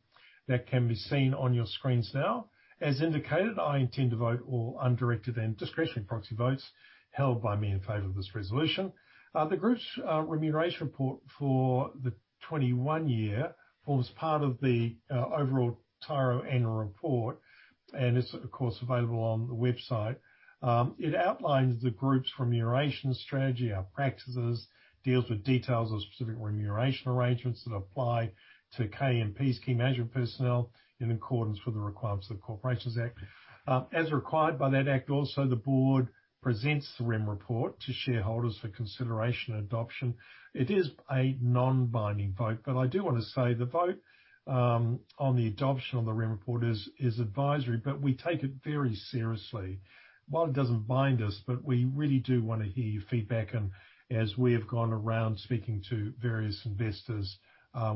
That can be seen on your screens now. As indicated, I intend to vote all undirected and discretionary proxy votes held by me in favour of this resolution. The group's remuneration report for the 2021 year forms part of the overall Tyro annual report, and it's of course available on the website. It outlines the group's remuneration strategy, our practices, deals with details of specific remuneration arrangements that apply to KMP's key management personnel in accordance with the requirements of the Corporations Act. As required by that act, also the board presents the Remuneration Report to shareholders for consideration and adoption. It is a non-binding vote, but I do wanna say the vote on the adoption of the Remuneration Report is advisory, but we take it very seriously. While it doesn't bind us, we really do wanna hear your feedback. As we have gone around speaking to various investors,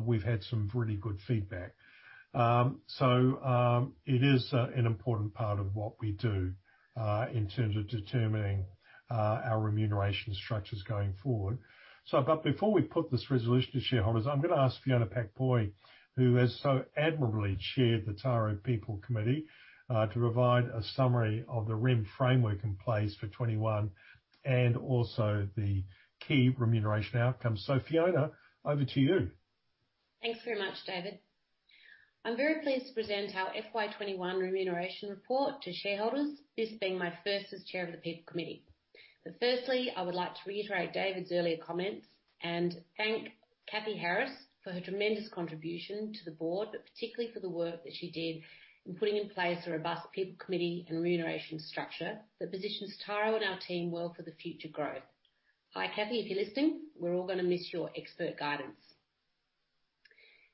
we've had some really good feedback. It is an important part of what we do in terms of determining our remuneration structures going forward. Before we put this resolution to shareholders, I'm gonna ask Fiona Pak-Poy, who has so admirably chaired the Tyro People Committee, to provide a summary of the remuneration framework in place for 2021 and also the key remuneration outcomes. Fiona, over to you. Thanks very much, David. I'm very pleased to present our FY 2021 remuneration report to shareholders, this being my first as chair of the People Committee. Firstly, I would like to reiterate David's earlier comments and thank Cathy Harris for her tremendous contribution to the board, but particularly for the work that she did in putting in place a robust people committee and remuneration structure that positions Tyro and our team well for the future growth. Hi, Cathy, if you're listening, we're all gonna miss your expert guidance.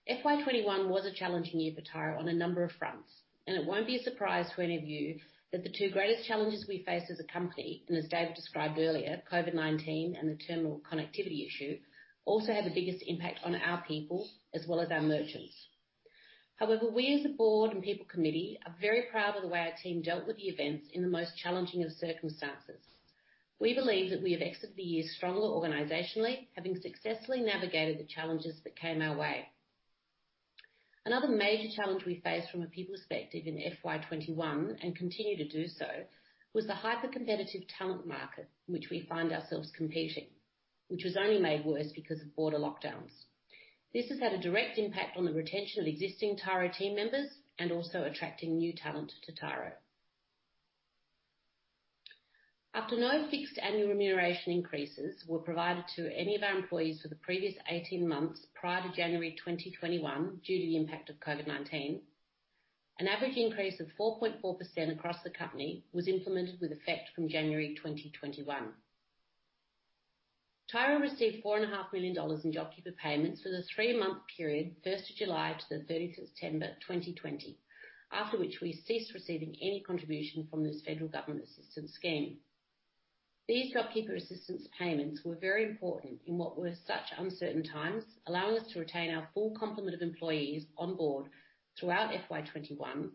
FY 2021 was a challenging year for Tyro on a number of fronts, and it won't be a surprise to any of you that the two greatest challenges we face as a company, and as David described earlier, COVID-19 and the terminal connectivity issue, also had the biggest impact on our people as well as our merchants. However, we as a board and People Committee are very proud of the way our team dealt with the events in the most challenging of circumstances. We believe that we have exited the year stronger organizationally, having successfully navigated the challenges that came our way. Another major challenge we faced from a people perspective in FY 2021, and continue to do so, was the hyper-competitive talent market in which we find ourselves competing, which was only made worse because of border lockdowns. This has had a direct impact on the retention of existing Tyro team members and also attracting new talent to Tyro. After no fixed annual remuneration increases were provided to any of our employees for the previous 18 months prior to January 2021, due to the impact of COVID-19, an average increase of 4.4% across the company was implemented with effect from January 2021. Tyro received 4.5 million dollars in JobKeeper payments for the three-month period, 1 July to 13 September 2020, after which we ceased receiving any contribution from this federal government assistance scheme. These JobKeeper assistance payments were very important in what were such uncertain times, allowing us to retain our full complement of employees on board throughout FY 2021,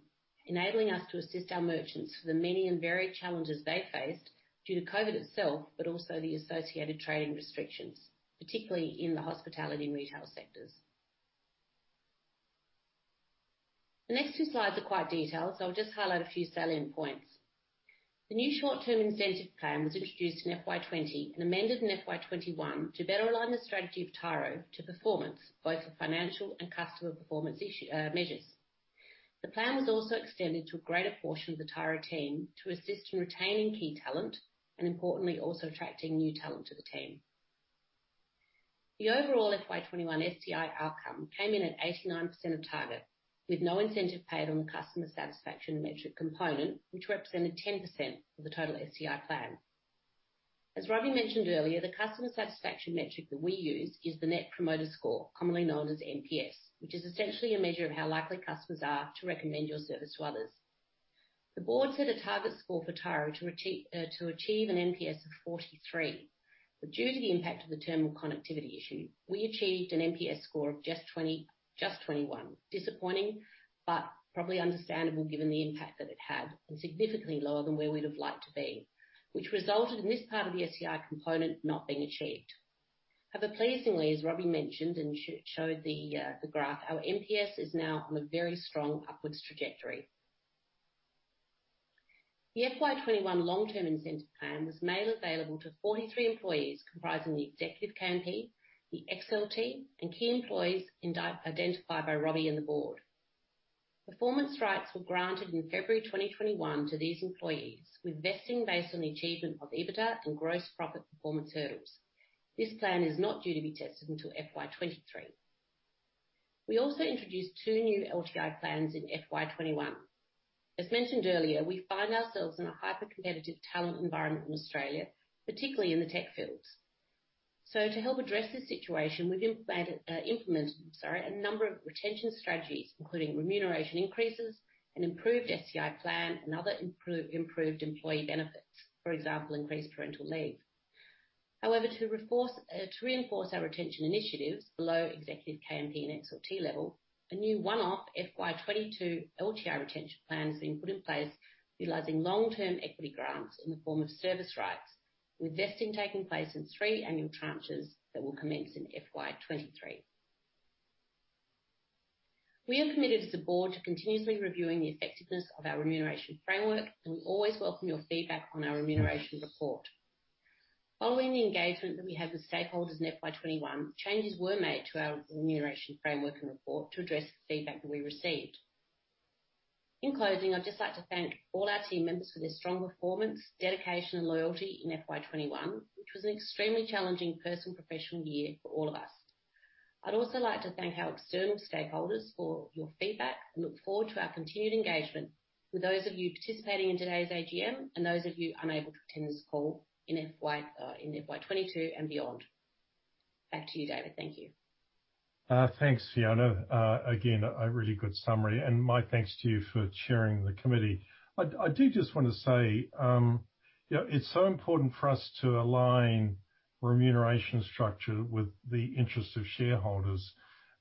enabling us to assist our merchants through the many and varied challenges they faced due to COVID itself, but also the associated trading restrictions, particularly in the hospitality and retail sectors. The next two slides are quite detailed, so I'll just highlight a few salient points. The new short-term incentive plan was introduced in FY 2020 and amended in FY 2021 to better align the strategy of Tyro to performance, both for financial and customer performance issue measures. The plan was also extended to a greater portion of the Tyro team to assist in retaining key talent and importantly, also attracting new talent to the team. The overall FY 2021 STI outcome came in at 89% of target, with no incentive paid on the customer satisfaction metric component, which represented 10% of the total STI plan. As Robbie mentioned earlier, the customer satisfaction metric that we use is the Net Promoter Score, commonly known as NPS, which is essentially a measure of how likely customers are to recommend your service to others. The board set a target score for Tyro to achieve an NPS of 43. Due to the impact of the terminal connectivity issue, we achieved an NPS score of just 21. Disappointing, but probably understandable given the impact that it had, and significantly lower than where we'd have liked to be, which resulted in this part of the STI component not being achieved. Pleasingly, as Robbie mentioned and showed the graph, our NPS is now on a very strong upward trajectory. The FY 2021 long-term incentive plan was made available to 43 employees comprising the executive KMP, the ELT, and key employees identified by Robbie and the board. Performance rights were granted in February 2021 to these employees, with vesting based on the achievement of EBITDA and gross profit performance terms. This plan is not due to be tested until FY 2023. We also introduced two new LTI plans in FY 2021. As mentioned earlier, we find ourselves in a hyper-competitive talent environment in Australia, particularly in the tech fields. To help address this situation, we've implemented, sorry, a number of retention strategies, including remuneration increases and improved STI plan and other improved employee benefits. For example, increased parental leave. However, to reinforce our retention initiatives below executive KMP and ELT level, a new one-off FY 2022 LTI retention plan has been put in place utilizing long-term equity grants in the form of service rights, with vesting taking place in three annual tranches that will commence in FY 2023. We are committed as a board to continuously reviewing the effectiveness of our remuneration framework, and we always welcome your feedback on our remuneration report. Following the engagement that we have with stakeholders in FY 2021, changes were made to our remuneration framework and report to address the feedback that we received. In closing, I'd just like to thank all our team members for their strong performance, dedication, and loyalty in FY 2021, which was an extremely challenging personal and professional year for all of us. I'd also like to thank our external stakeholders for your feedback and look forward to our continued engagement with those of you participating in today's AGM and those of you unable to attend this call in FY 2022 and beyond. Back to you, David. Thank you. Thanks, Fiona. Again, a really good summary. My thanks to you for chairing the committee. I do just want to say, you know, it's so important for us to align remuneration structure with the interest of shareholders.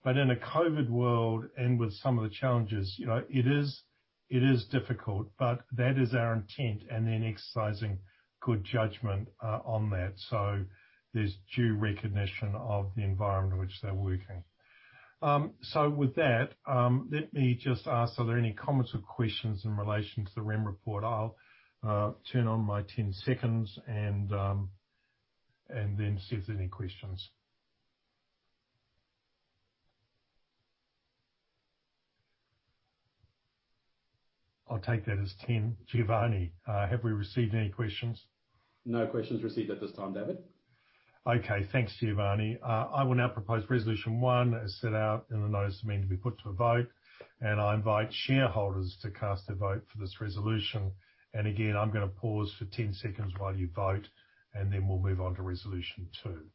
In a COVID world and with some of the challenges, you know, it is difficult, but that is our intent, and then exercising good judgment on that. There's due recognition of the environment in which they're working. With that, let me just ask, are there any comments or questions in relation to the remuneration report? I'll give it 10-seconds and then see if there's any questions. I'll take that as none. Giovanni, have we received any questions? No questions received at this time, David. Okay. Thanks, Giovanni. I will now propose resolution one as set out in the notice of meeting to be put to a vote, and I invite shareholders to cast a vote for this resolution. I'm gonna pause for 10-seconds while you vote, and then we'll move on to resolution two.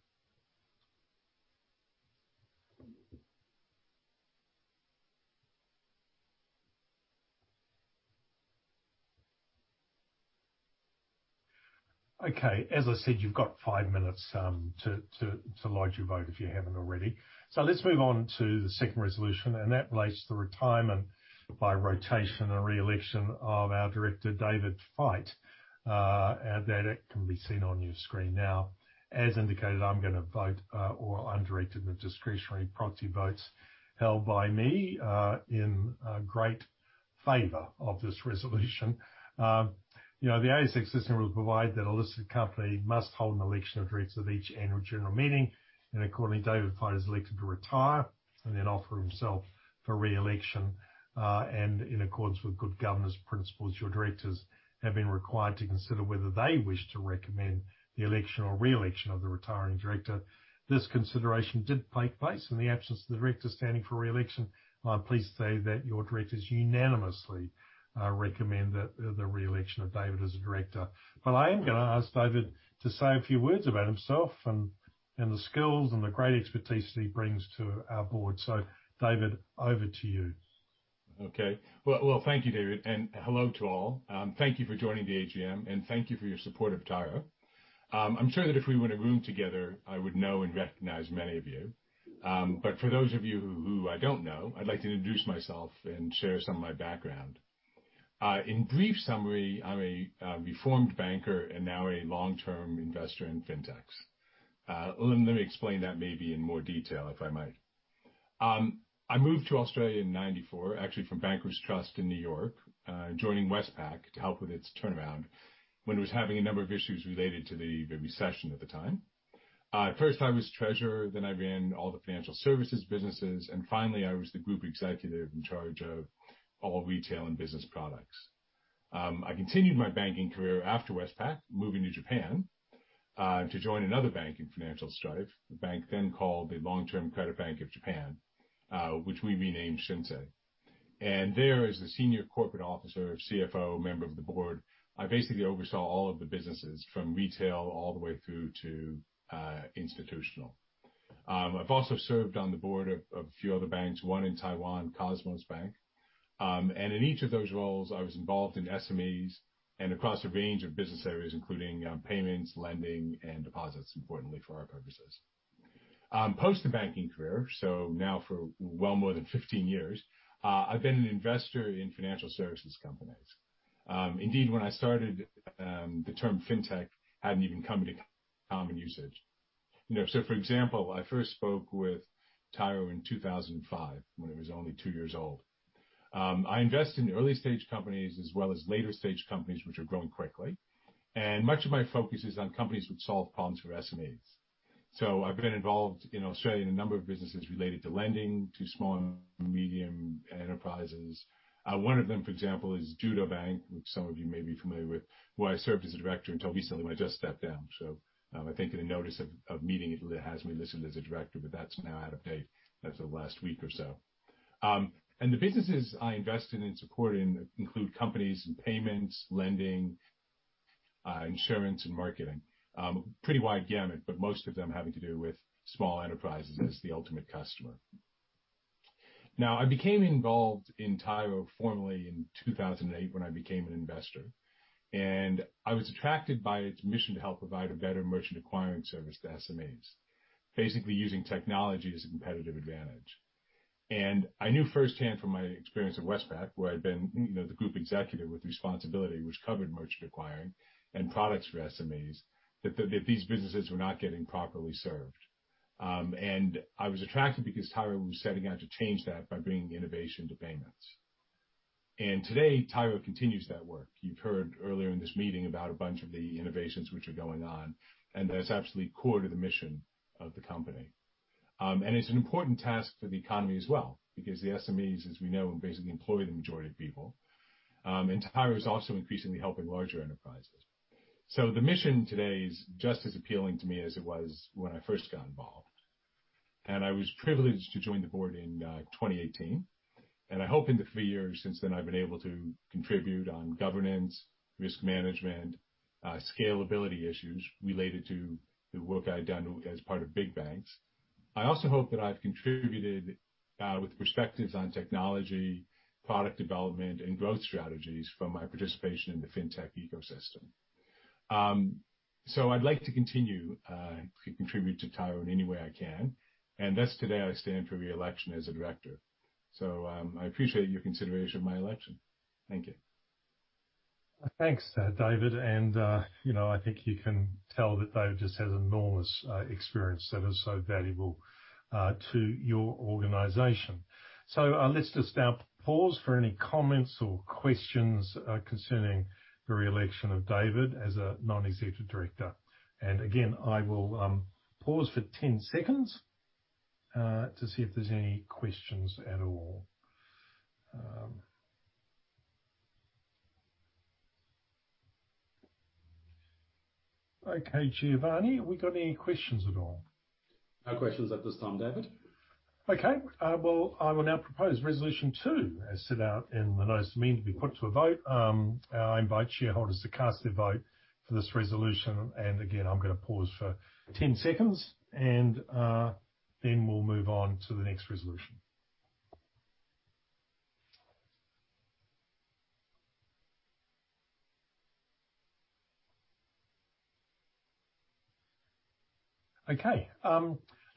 Okay. As I said, you've got five minutes to lodge your vote if you haven't already. Let's move on to the second resolution, and that relates to the retirement by rotation and re-election of our director, David Fite. And that it can be seen on your screen now. As indicated, I'm gonna vote, or I'm directing the discretionary proxy votes held by me, in great favour of this resolution. You know, the ASX listing rules provide that a listed company must hold an election of directors at each annual general meeting, and accordingly, David Fite is elected to retire and then offer himself for re-election. In accordance with good governance principles, your directors have been required to consider whether they wish to recommend the election or re-election of the retiring director. This consideration did take place in the absence of the director standing for re-election. I'm pleased to say that your directors unanimously recommend the re-election of David as a director. I am gonna ask David to say a few words about himself and the skills and the great expertise that he brings to our board. David, over to you. Okay. Well, thank you, David, and hello to all. Thank you for joining the AGM, and thank you for your support of Tyro. I'm sure that if we were in a room together, I would know and recognize many of you. For those of you who I don't know, I'd like to introduce myself and share some of my background. In brief summary, I'm a reformed banker and now a long-term investor in fintechs. Let me explain that maybe in more detail, if I might. I moved to Australia in 1994, actually from Bankers Trust in New York, joining Westpac to help with its turnaround when it was having a number of issues related to the recession at the time. At first I was treasurer, then I ran all the financial services businesses, and finally I was the group executive in charge of all retail and business products. I continued my banking career after Westpac, moving to Japan, to join another bank in financial strife. The bank then called the Long-Term Credit Bank of Japan, which we renamed Shinsei. There as the senior corporate officer, CFO, member of the board, I basically oversaw all of the businesses from retail all the way through to institutional. I've also served on the board of a few other banks, one in Taiwan, Cosmos Bank. In each of those roles, I was involved in SMEs and across a range of business areas, including payments, lending, and deposits, importantly for our purposes. Post the banking career, now for well more than 15 years, I've been an investor in financial services companies. Indeed, when I started, the term fintech hadn't even come into common usage. You know, for example, I first spoke with Tyro in 2005 when it was only two years old. I invest in early-stage companies as well as later-stage companies which are growing quickly. Much of my focus is on companies which solve problems for SMEs. I've been involved in Australia in a number of businesses related to lending to small and medium enterprises. One of them, for example, is Judo Bank, which some of you may be familiar with, where I served as a director until recently when I just stepped down. I think in the notice of meeting, it has me listed as a director, but that's now out of date as of last week or so. The businesses I invest in and support in include companies in payments, lending, insurance, and marketing. Pretty wide gamut, but most of them having to do with small enterprises as the ultimate customer. Now, I became involved in Tyro formally in 2008 when I became an investor. I was attracted by its mission to help provide a better merchant acquiring service to SMEs, basically using technology as a competitive advantage. I knew firsthand from my experience at Westpac, where I'd been, you know, the group executive with responsibility, which covered merchant acquiring and products for SMEs, that these businesses were not getting properly served. I was attracted because Tyro was setting out to change that by bringing innovation to payments. Today, Tyro continues that work. You've heard earlier in this meeting about a bunch of the innovations which are going on, and that's absolutely core to the mission of the company. It's an important task for the economy as well because the SMEs, as we know, basically employ the majority of people. Tyro is also increasingly helping larger enterprises. The mission today is just as appealing to me as it was when I first got involved. I was privileged to join the board in 2018. I hope in the three years since then I've been able to contribute on governance, risk management, scalability issues related to the work I'd done as part of big banks. I also hope that I've contributed with perspectives on technology, product development, and growth strategies from my participation in the fintech ecosystem. I'd like to continue to contribute to Tyro in any way I can. Thus today I stand for re-election as a director. I appreciate your consideration of my election. Thank you. Thanks, David. You know, I think you can tell that David just has enormous experience that is so valuable to your organization. Let's just now pause for any comments or questions concerning the re-election of David as a Non-Executive Director. I will pause for 10-seconds to see if there's any questions at all. Okay, Giovanni, have we got any questions at all? No questions at this time, David. Okay. Well, I will now propose resolution two as set out in the notice of meeting to be put to a vote. I invite shareholders to cast their vote for this resolution. Again, I'm gonna pause for 10-seconds and then we'll move on to the next resolution. Okay,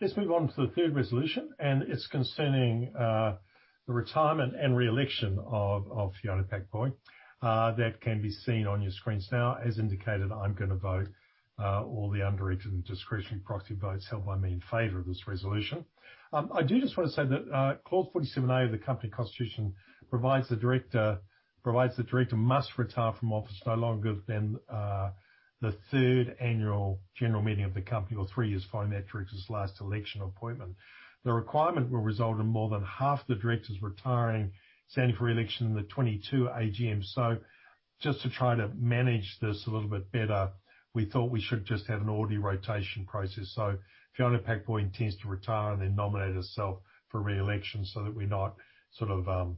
let's move on to the third resolution, and it's concerning the retirement and re-election of Fiona Pak-Poy. That can be seen on your screens now. As indicated, I'm gonna vote all the underwritten discretionary proxy votes held by me in favour of this resolution. I do just want to say that clause 47A of the company constitution provides the director must retire from office no longer than the third annual general meeting of the company or three years following that director's last election appointment. The requirement will result in more than half the directors retiring, standing for re-election in the 2022 AGM. Just to try to manage this a little bit better, we thought we should just have an orderly rotation process. Fiona Pak-Poy intends to retire and then nominate herself for re-election so that we're not sort of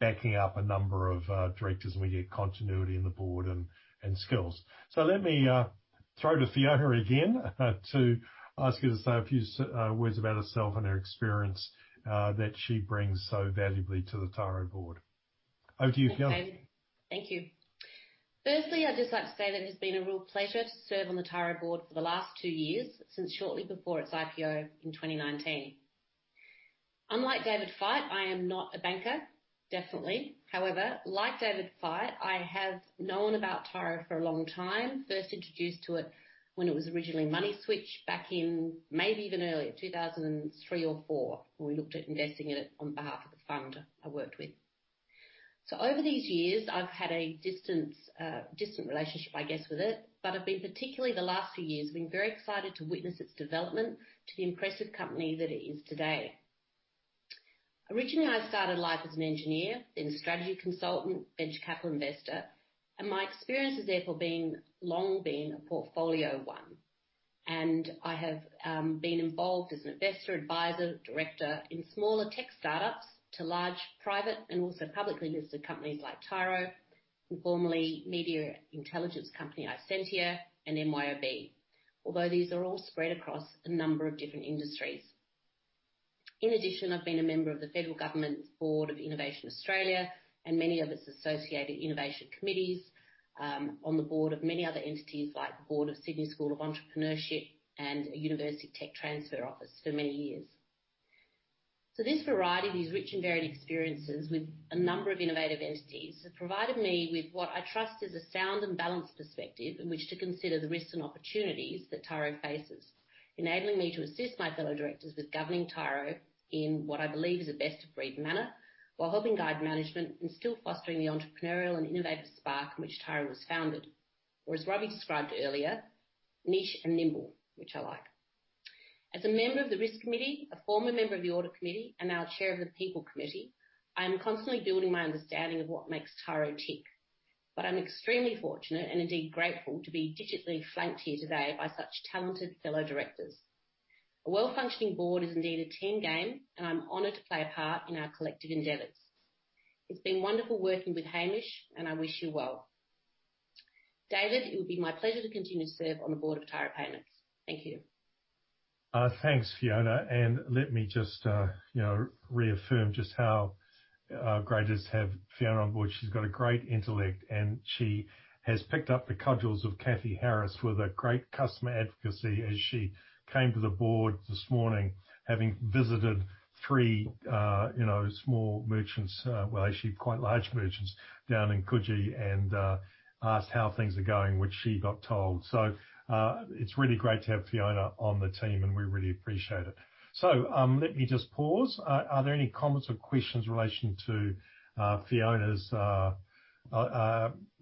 backing up a number of directors and we get continuity in the board and skills. Let me throw to Fiona again, to ask her to say a few words about herself and her experience that she brings so valuably to the Tyro board. Over to you, Fiona. Okay. Thank you. Firstly, I'd just like to say that it has been a real pleasure to serve on the Tyro board for the last two years since shortly before its IPO in 2019. Unlike David Fite, I am not a banker, definitely. However, like David Fite, I have known about Tyro for a long time. First introduced to it when it was originally MoneySwitch back in, maybe even earlier, 2003 or 2004, when we looked at investing in it on behalf of the fund I worked with. Over these years, I've had a distant relationship, I guess, with it, but I've been, particularly the last few years, very excited to witness its development to the impressive company that it is today. Originally, I started life as an engineer, then a strategy consultant, venture capital investor, and my experience has therefore long been a portfolio one. I have been involved as an investor, advisor, director in smaller tech start-ups to large, private and also publicly listed companies like Tyro and formerly media intelligence company Isentia and MYOB, although these are all spread across a number of different industries. In addition, I've been a member of the Federal Government's Board of Innovation Australia and many of its associated innovation committees, on the board of many other entities like the Board of Sydney School of Entrepreneurship and a university tech transfer office for many years. This variety, these rich and varied experiences with a number of innovative entities, have provided me with what I trust is a sound and balanced perspective in which to consider the risks and opportunities that Tyro faces, enabling me to assist my fellow directors with governing Tyro in what I believe is the best of breed manner, while helping guide management and still fostering the entrepreneurial and innovative spark in which Tyro was founded. As Robbie described earlier, niche and nimble, which I like. As a member of the Risk Committee, a former member of the Audit Committee, and now Chair of the People Committee, I am constantly building my understanding of what makes Tyro tick. I'm extremely fortunate and indeed grateful to be digitally flanked here today by such talented fellow directors. A well-functioning board is indeed a team game, and I'm honoured to play a part in our collective endeavours. It's been wonderful working with Hamish, and I wish you well. David, it would be my pleasure to continue to serve on the board of Tyro Payments. Thank you. Thanks, Fiona. Let me just, you know, reaffirm just how great it is to have Fiona on board. She's got a great intellect, and she has picked up the cudgels of Cathy Harris with a great customer advocacy as she came to the board this morning, having visited three, you know, small merchants, well, actually quite large merchants down in Coogee and asked how things are going, which she got told. It's really great to have Fiona on the team, and we really appreciate it. Let me just pause. Are there any comments or questions in relation to Fiona's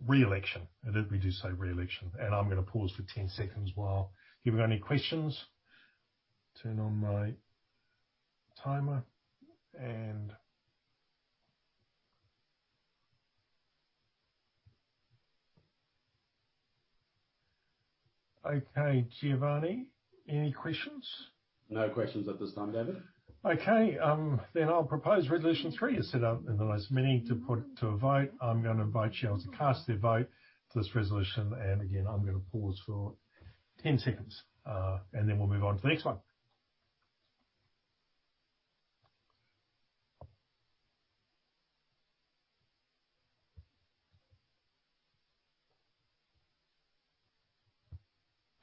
re-election? I do request her re-election, and I'm gonna pause for 10-seconds to take any questions. Turn on my timer. Okay, Giovanni, any questions? No questions at this time, David. Okay. I'll propose resolution three as set out in the last meeting to put to a vote. I'm gonna invite y'all to cast their vote for this resolution. Again, I'm gonna pause for 10-seconds, and then we'll move on to the next one.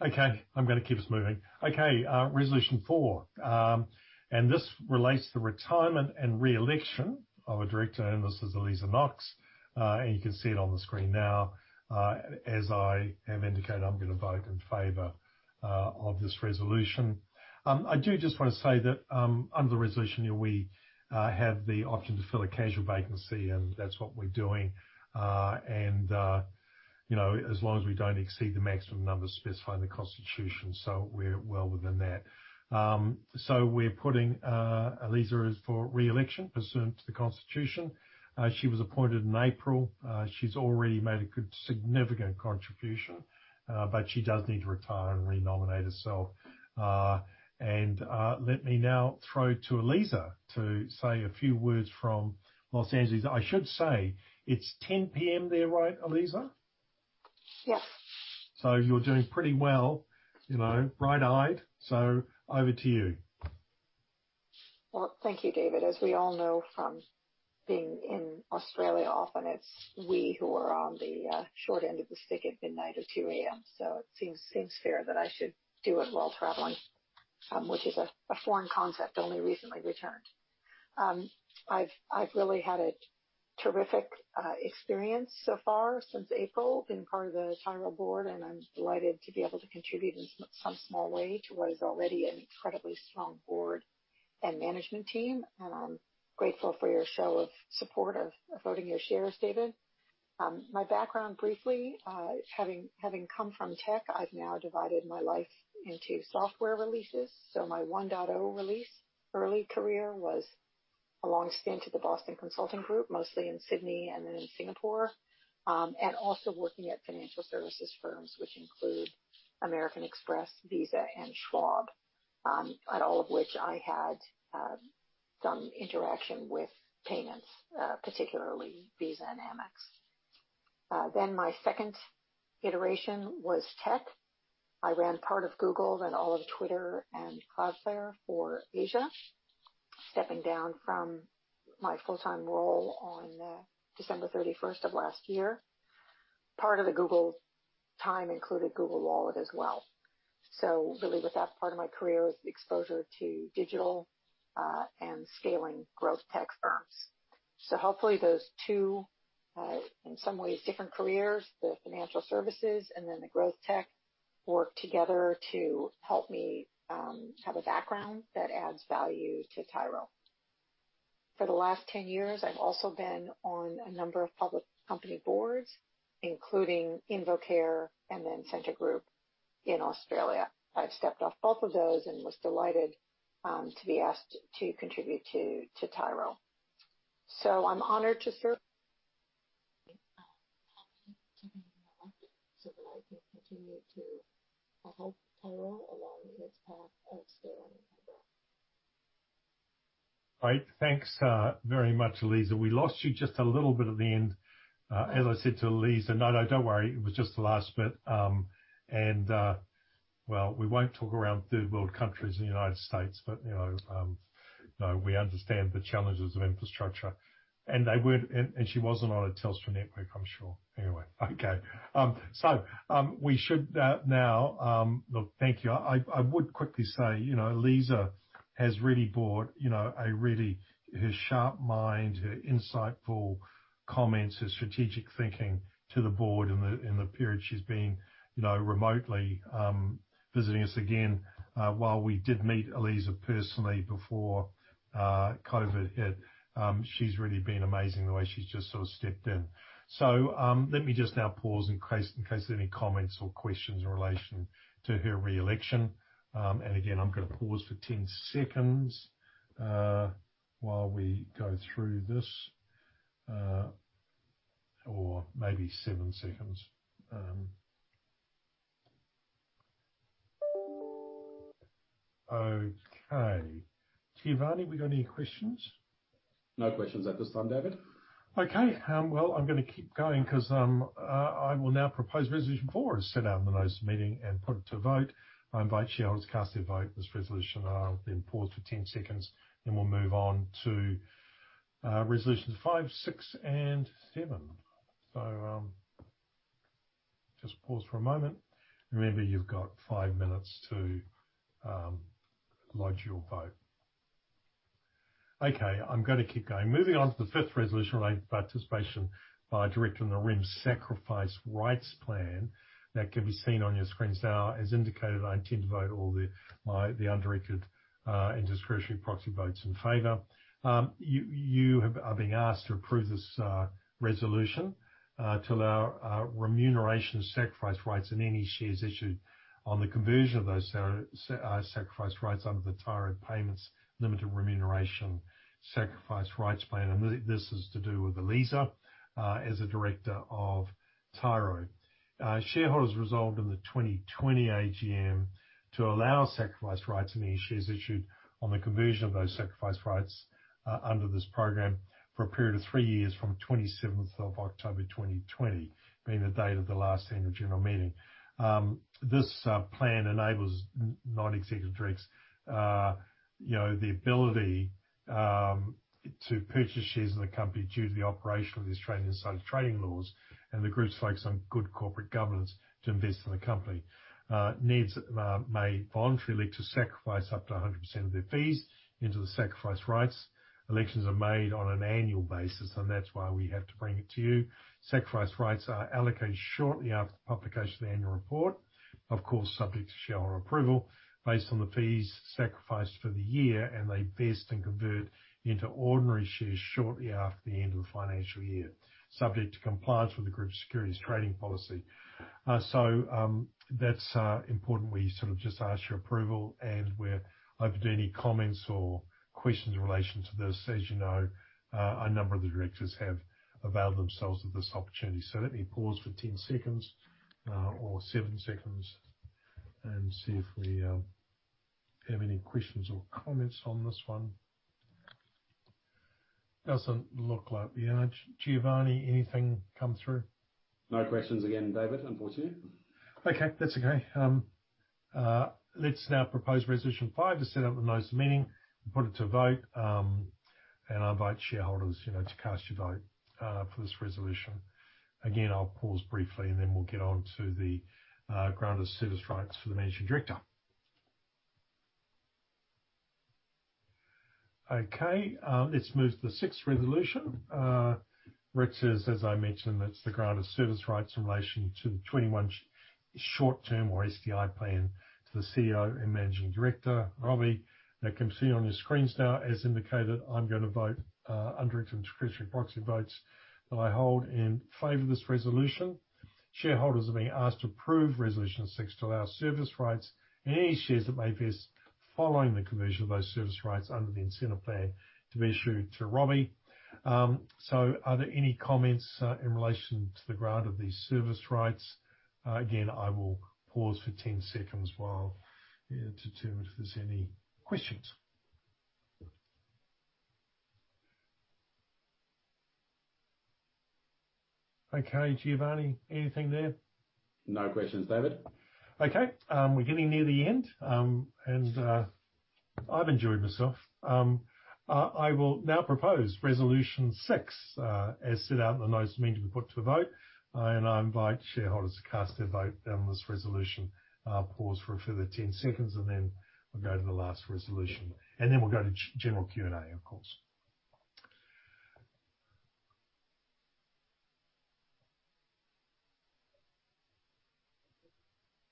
Okay, I'm gonna keep us moving. Okay, resolution four. This relates to the retirement and re-election of a director, and this is Aliza Knox. You can see it on the screen now. As I have indicated, I'm gonna vote in favor of this resolution. I do just want to say that, under the resolution, we have the option to fill a casual vacancy, and that's what we're doing. You know, as long as we don't exceed the maximum numbers specified in the Constitution, so we're well within that. We're putting Aliza up for re-election pursuant to the Constitution. She was appointed in April. She's already made a good significant contribution, but she does need to retire and re-nominate herself. Let me now throw to Aliza to say a few words from Los Angeles. I should say it's 10 P.M. there, right, Aliza? Yes. You're doing pretty well, you know, bright-eyed. Over to you. Well, thank you, David. As we all know from being in Australia, often it's we who are on the short end of the stick at midnight or 2 A.M. It seems fair that I should do it while traveling, which is a foreign concept only recently returned. I've really had a terrific experience so far since April, been part of the Tyro board, and I'm delighted to be able to contribute in some small way to what is already an incredibly strong board and management team. I'm grateful for your show of support of voting your shares, David. My background briefly, having come from tech, I've now divided my life into software releases. My 1.0 release early career was a long stint at the Boston Consulting Group, mostly in Sydney and then in Singapore. Working at financial services firms, which include American Express, Visa and Schwab, at all of which I had some interaction with payments, particularly Visa and Amex. My second iteration was tech. I ran part of Google, then all of Twitter and Cloudflare for Asia, stepping down from my full-time role on December 31 of last year. Part of the Google time included Google Wallet as well. Really with that part of my career was the exposure to digital and scaling growth tech firms. Hopefully those two, in some ways different careers, the financial services and then the growth tech, work together to help me have a background that adds value to Tyro. For the last 10 years, I've also been on a number of public company boards, including InvoCare and then Scentre Group in Australia. I've stepped off both of those and was delighted to be asked to contribute to Tyro. I'm honoured to serve so that I can continue to help Tyro along its path of scaling. Great. Thanks, very much, Aliza. We lost you just a little bit at the end. As I said to Aliza. No, no, don't worry. It was just the last bit. Well, we won't talk around third world countries in the United States, but, you know, you know, we understand the challenges of infrastructure. She wasn't on a Telstra network, I'm sure. Anyway. Okay. We should now. Look, thank you. I would quickly say, you know, Aliza has really brought, you know, her sharp mind, her insightful comments, her strategic thinking to the board in the period she's been, you know, remotely visiting us again. While we did meet Aliza personally before, COVID hit, she's really been amazing the way she's just sort of stepped in. Let me just now pause in case there are any comments or questions in relation to her re-election. Again, I'm gonna pause for 10-seconds while we go through this, or maybe seven seconds. Okay. Giovanni, we got any questions? No questions at this time, David. Okay. I'm gonna keep going 'cause I will now propose resolution four as set out in the notice of the meeting and put it to vote. I invite shareholders to cast their vote on this resolution. I'll then pause for 10-seconds, then we'll move on to resolutions five, six and seven. Just pause for a moment. Remember, you've got five minutes to lodge your vote. Okay, I'm gonna keep going. Moving on to the fifth resolution relating to participation by a director in the Remuneration Sacrifice Rights Plan. That can be seen on your screens now. As indicated, I intend to vote all the undirected and discretionary proxy votes in favour. You are being asked to approve this resolution to allow remuneration of sacrificed rights and any shares issued on the conversion of those sacrificed rights under the Tyro Payments Limited Remuneration Sacrifice Rights Plan. This is to do with Aliza as a director of Tyro. Shareholders resolved in the 2020 AGM to allow sacrificed rights and any shares issued on the conversion of those sacrificed rights under this program for a period of three years from 27th of October 2020, being the date of the last annual general meeting. This plan enables non-executive directors you know the ability to purchase shares in the company due to the operation of the Australian Securities Trading Laws and the Group's focus on good corporate governance to invest in the company. NEDs may voluntarily elect to sacrifice up to 100% of their fees into the Sacrificed Rights. Elections are made on an annual basis, and that's why we have to bring it to you. Sacrificed Rights are allocated shortly after the publication of the Annual Report. Of course, subject to shareholder approval based on the fees sacrificed for the year, they vest and convert into ordinary shares shortly after the end of the financial year, subject to compliance with the Group's securities trading policy. That's important. We sort of just ask your approval, and we're open to any comments or questions in relation to this. As you know, a number of the directors have availed themselves of this opportunity. Let me pause for 10-seconds, or seven seconds and see if we have any questions or comments on this one. Doesn't look like the average. Giovanni, anything come through? No questions again, David, unfortunately. Okay, that's okay. Let's now propose resolution five as set out in the notice of the meeting and put it to vote. I invite shareholders, you know, to cast your vote for this resolution. Again, I'll pause briefly, and then we'll get on to the granted service rights for the Managing Director. Okay, let's move to the sixth resolution. Which is, as I mentioned, it's the granted service rights in relation to the 2021 short-term or STI plan to the CEO and Managing Director, Robbie, that can be seen on your screens now. As indicated, I'm gonna vote undirected and discretionary proxy votes that I hold in favour of this resolution. Shareholders are being asked to approve resolution six to allow service rights and any shares that may vest following the conversion of those service rights under the incentive plan to be issued to Robbie. Are there any comments in relation to the grant of these service rights? Again, I will pause for 10-seconds while to determine if there's any questions. Okay, Giovanni, anything there? No questions, David. Okay. We're getting near the end. I've enjoyed myself. I will now propose resolution six, as set out in the notice of the meeting, be put to a vote. I invite shareholders to cast their vote, on this resolution. I'll pause for a further 10-seconds, and then we'll go to the last resolution, and then we'll go to chair's general Q&A, of course.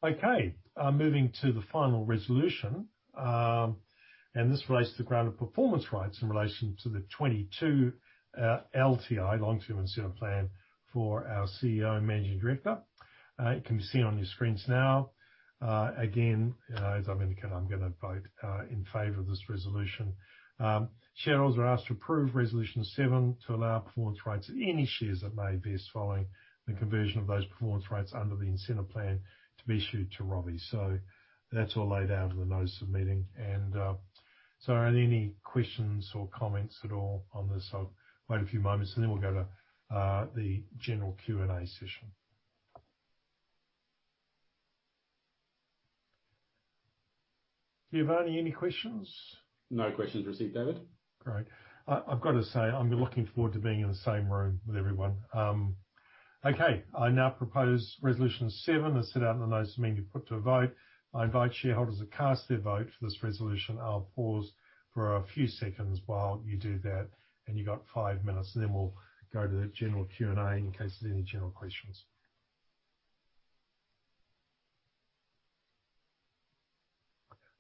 Okay. Moving to the final resolution. This relates to the granted performance rights in relation to the 2022 LTI, long-term incentive plan, for our CEO and Managing Director. It can be seen on your screens now. Again, as I've indicated, I'm gonna vote, in favour of this resolution. Shareholders are asked to approve resolution seven to allow performance rights and any shares that may vest following the conversion of those performance rights under the incentive plan to be issued to Robbie. That's all laid out in the notice of the meeting. Are there any questions or comments at all on this? I'll wait a few moments, and then we'll go to the general Q&A session. Giovanni, any questions? No questions received, David. Great. I've gotta say, I'm looking forward to being in the same room with everyone. Okay. I now propose resolution seven as set out in the notice of meeting and put to a vote. I invite shareholders to cast their vote for this resolution. I'll pause for a few seconds while you do that, and you got five minutes, and then we'll go to the general Q&A in case there's any general questions.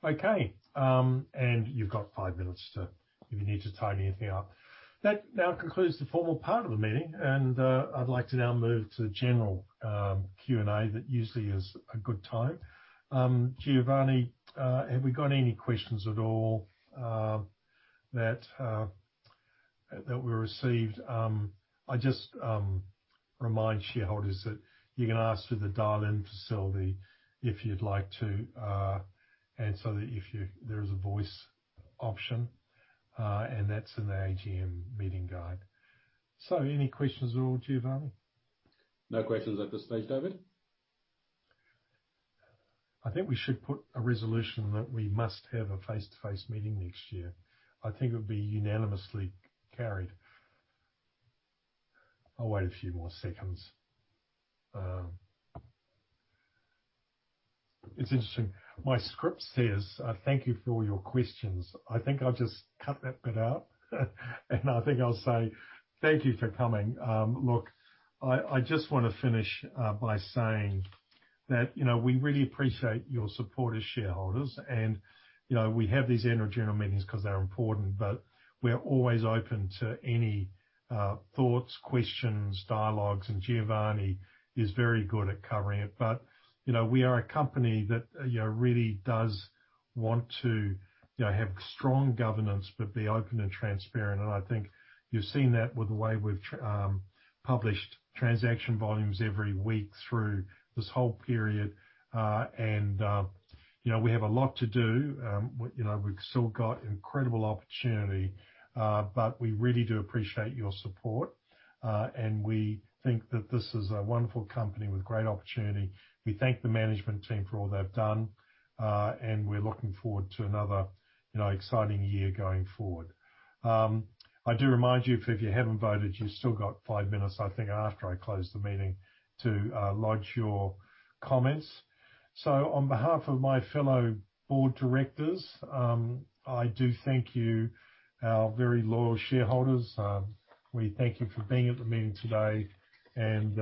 Okay, and you've got five minutes if you need to tidy anything up. That now concludes the formal part of the meeting, and I'd like to now move to general Q&A. That usually is a good time. Giovanni, have we got any questions at all that we received? I just remind shareholders that you can ask through the dial-in facility if you'd like to, and there is a voice option, and that's in the AGM meeting guide. Any questions at all, Giovanni? No questions at this stage, David. I think we should put a resolution that we must have a face-to-face meeting next year. I think it would be unanimously carried. I'll wait a few more seconds. It's interesting. My script says thank you for all your questions. I think I'll just cut that bit out and I think I'll say thank you for coming. Look, I just wanna finish by saying that, you know, we really appreciate your support as shareholders and, you know, we have these annual general meetings 'cause they're important, but we're always open to any thoughts, questions, dialogues, and Giovanni is very good at covering it. You know, we are a company that, you know, really does want to, you know, have strong governance but be open and transparent. I think you've seen that with the way we've published transaction volumes every week through this whole period. You know, we have a lot to do. You know, we've still got incredible opportunity, but we really do appreciate your support, and we think that this is a wonderful company with great opportunity. We thank the management team for all they've done, and we're looking forward to another, you know, exciting year going forward. I do remind you if you haven't voted, you still got five minutes, I think, after I close the meeting, to lodge your comments. On behalf of my fellow board directors, I do thank you, our very loyal shareholders. We thank you for being at the meeting today, and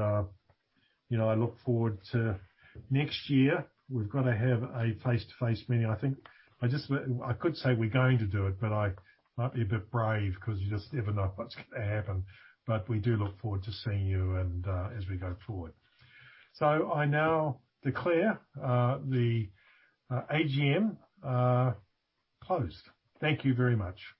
you know, I look forward to next year. We've gotta have a face-to-face meeting. I could say we're going to do it, but I might be a bit brave 'cause you just never know what's gonna happen. We do look forward to seeing you and, as we go forward. I now declare the AGM closed. Thank you very much.